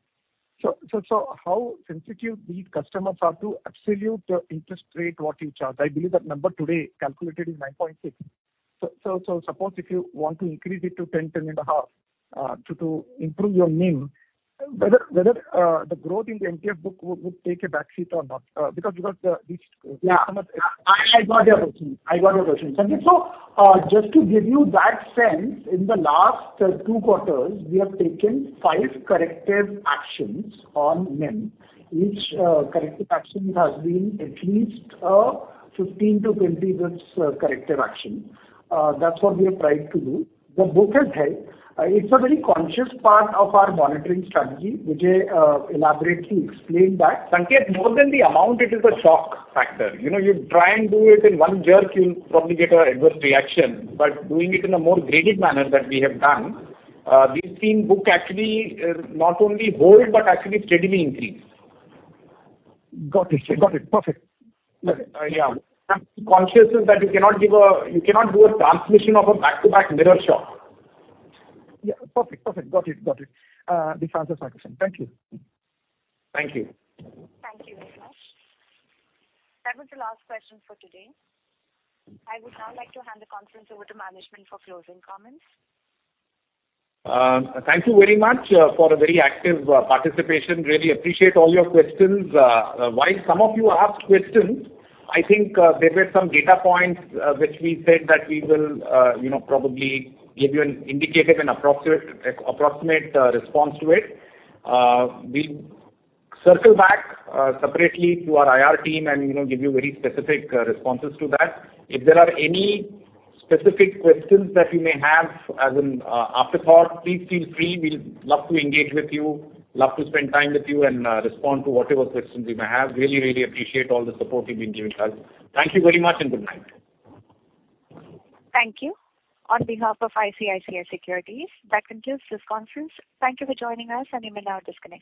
B: so how sensitive these customers are to absolute interest rate what you charge. I believe that number today calculated is 9.6. Suppose if you want to increase it to 10 and a half to improve your NIM, whether the growth in the MTF book would take a back seat or not. These customers-
F: I got your question, Sanket. Just to give you that sense, in the last two quarters, we have taken 5 corrective actions on NIM. Each corrective action has been at least 15-20 bits corrective action. That's what we have tried to do. The book has helped. It's a very conscious part of our monitoring strategy, which I elaborately explained that.
B: Sanket, more than the amount, it is a shock factor. You know, you try and do it in one jerk, you'll probably get a adverse reaction. Doing it in a more graded manner that we have done, we've seen book actually, not only hold but actually steadily increase.
Q: Got it. Got it. Perfect.
B: Yeah. Conscious is that you cannot do a transmission of a back-to-back mirror shock.
Q: Yeah. Perfect. Perfect. Got it. Got it. This answers my question. Thank you.
B: Thank you.
A: Thank you very much. That was the last question for today. I would now like to hand the conference over to management for closing comments.
B: Thank you very much for a very active participation. Really appreciate all your questions. While some of you asked questions, I think there were some data points which we said that we will, you know, probably give you an indicative and approximate response to it. We'll circle back separately through our IR team and, you know, give you very specific responses to that. If there are any specific questions that you may have as an afterthought, please feel free. We'll love to engage with you, love to spend time with you and respond to whatever questions you may have. Really, really appreciate all the support you've been giving us. Thank you very much and good night.
A: Thank you. On behalf of ICICI Securities, that concludes this conference. Thank you for joining us. You may now disconnect.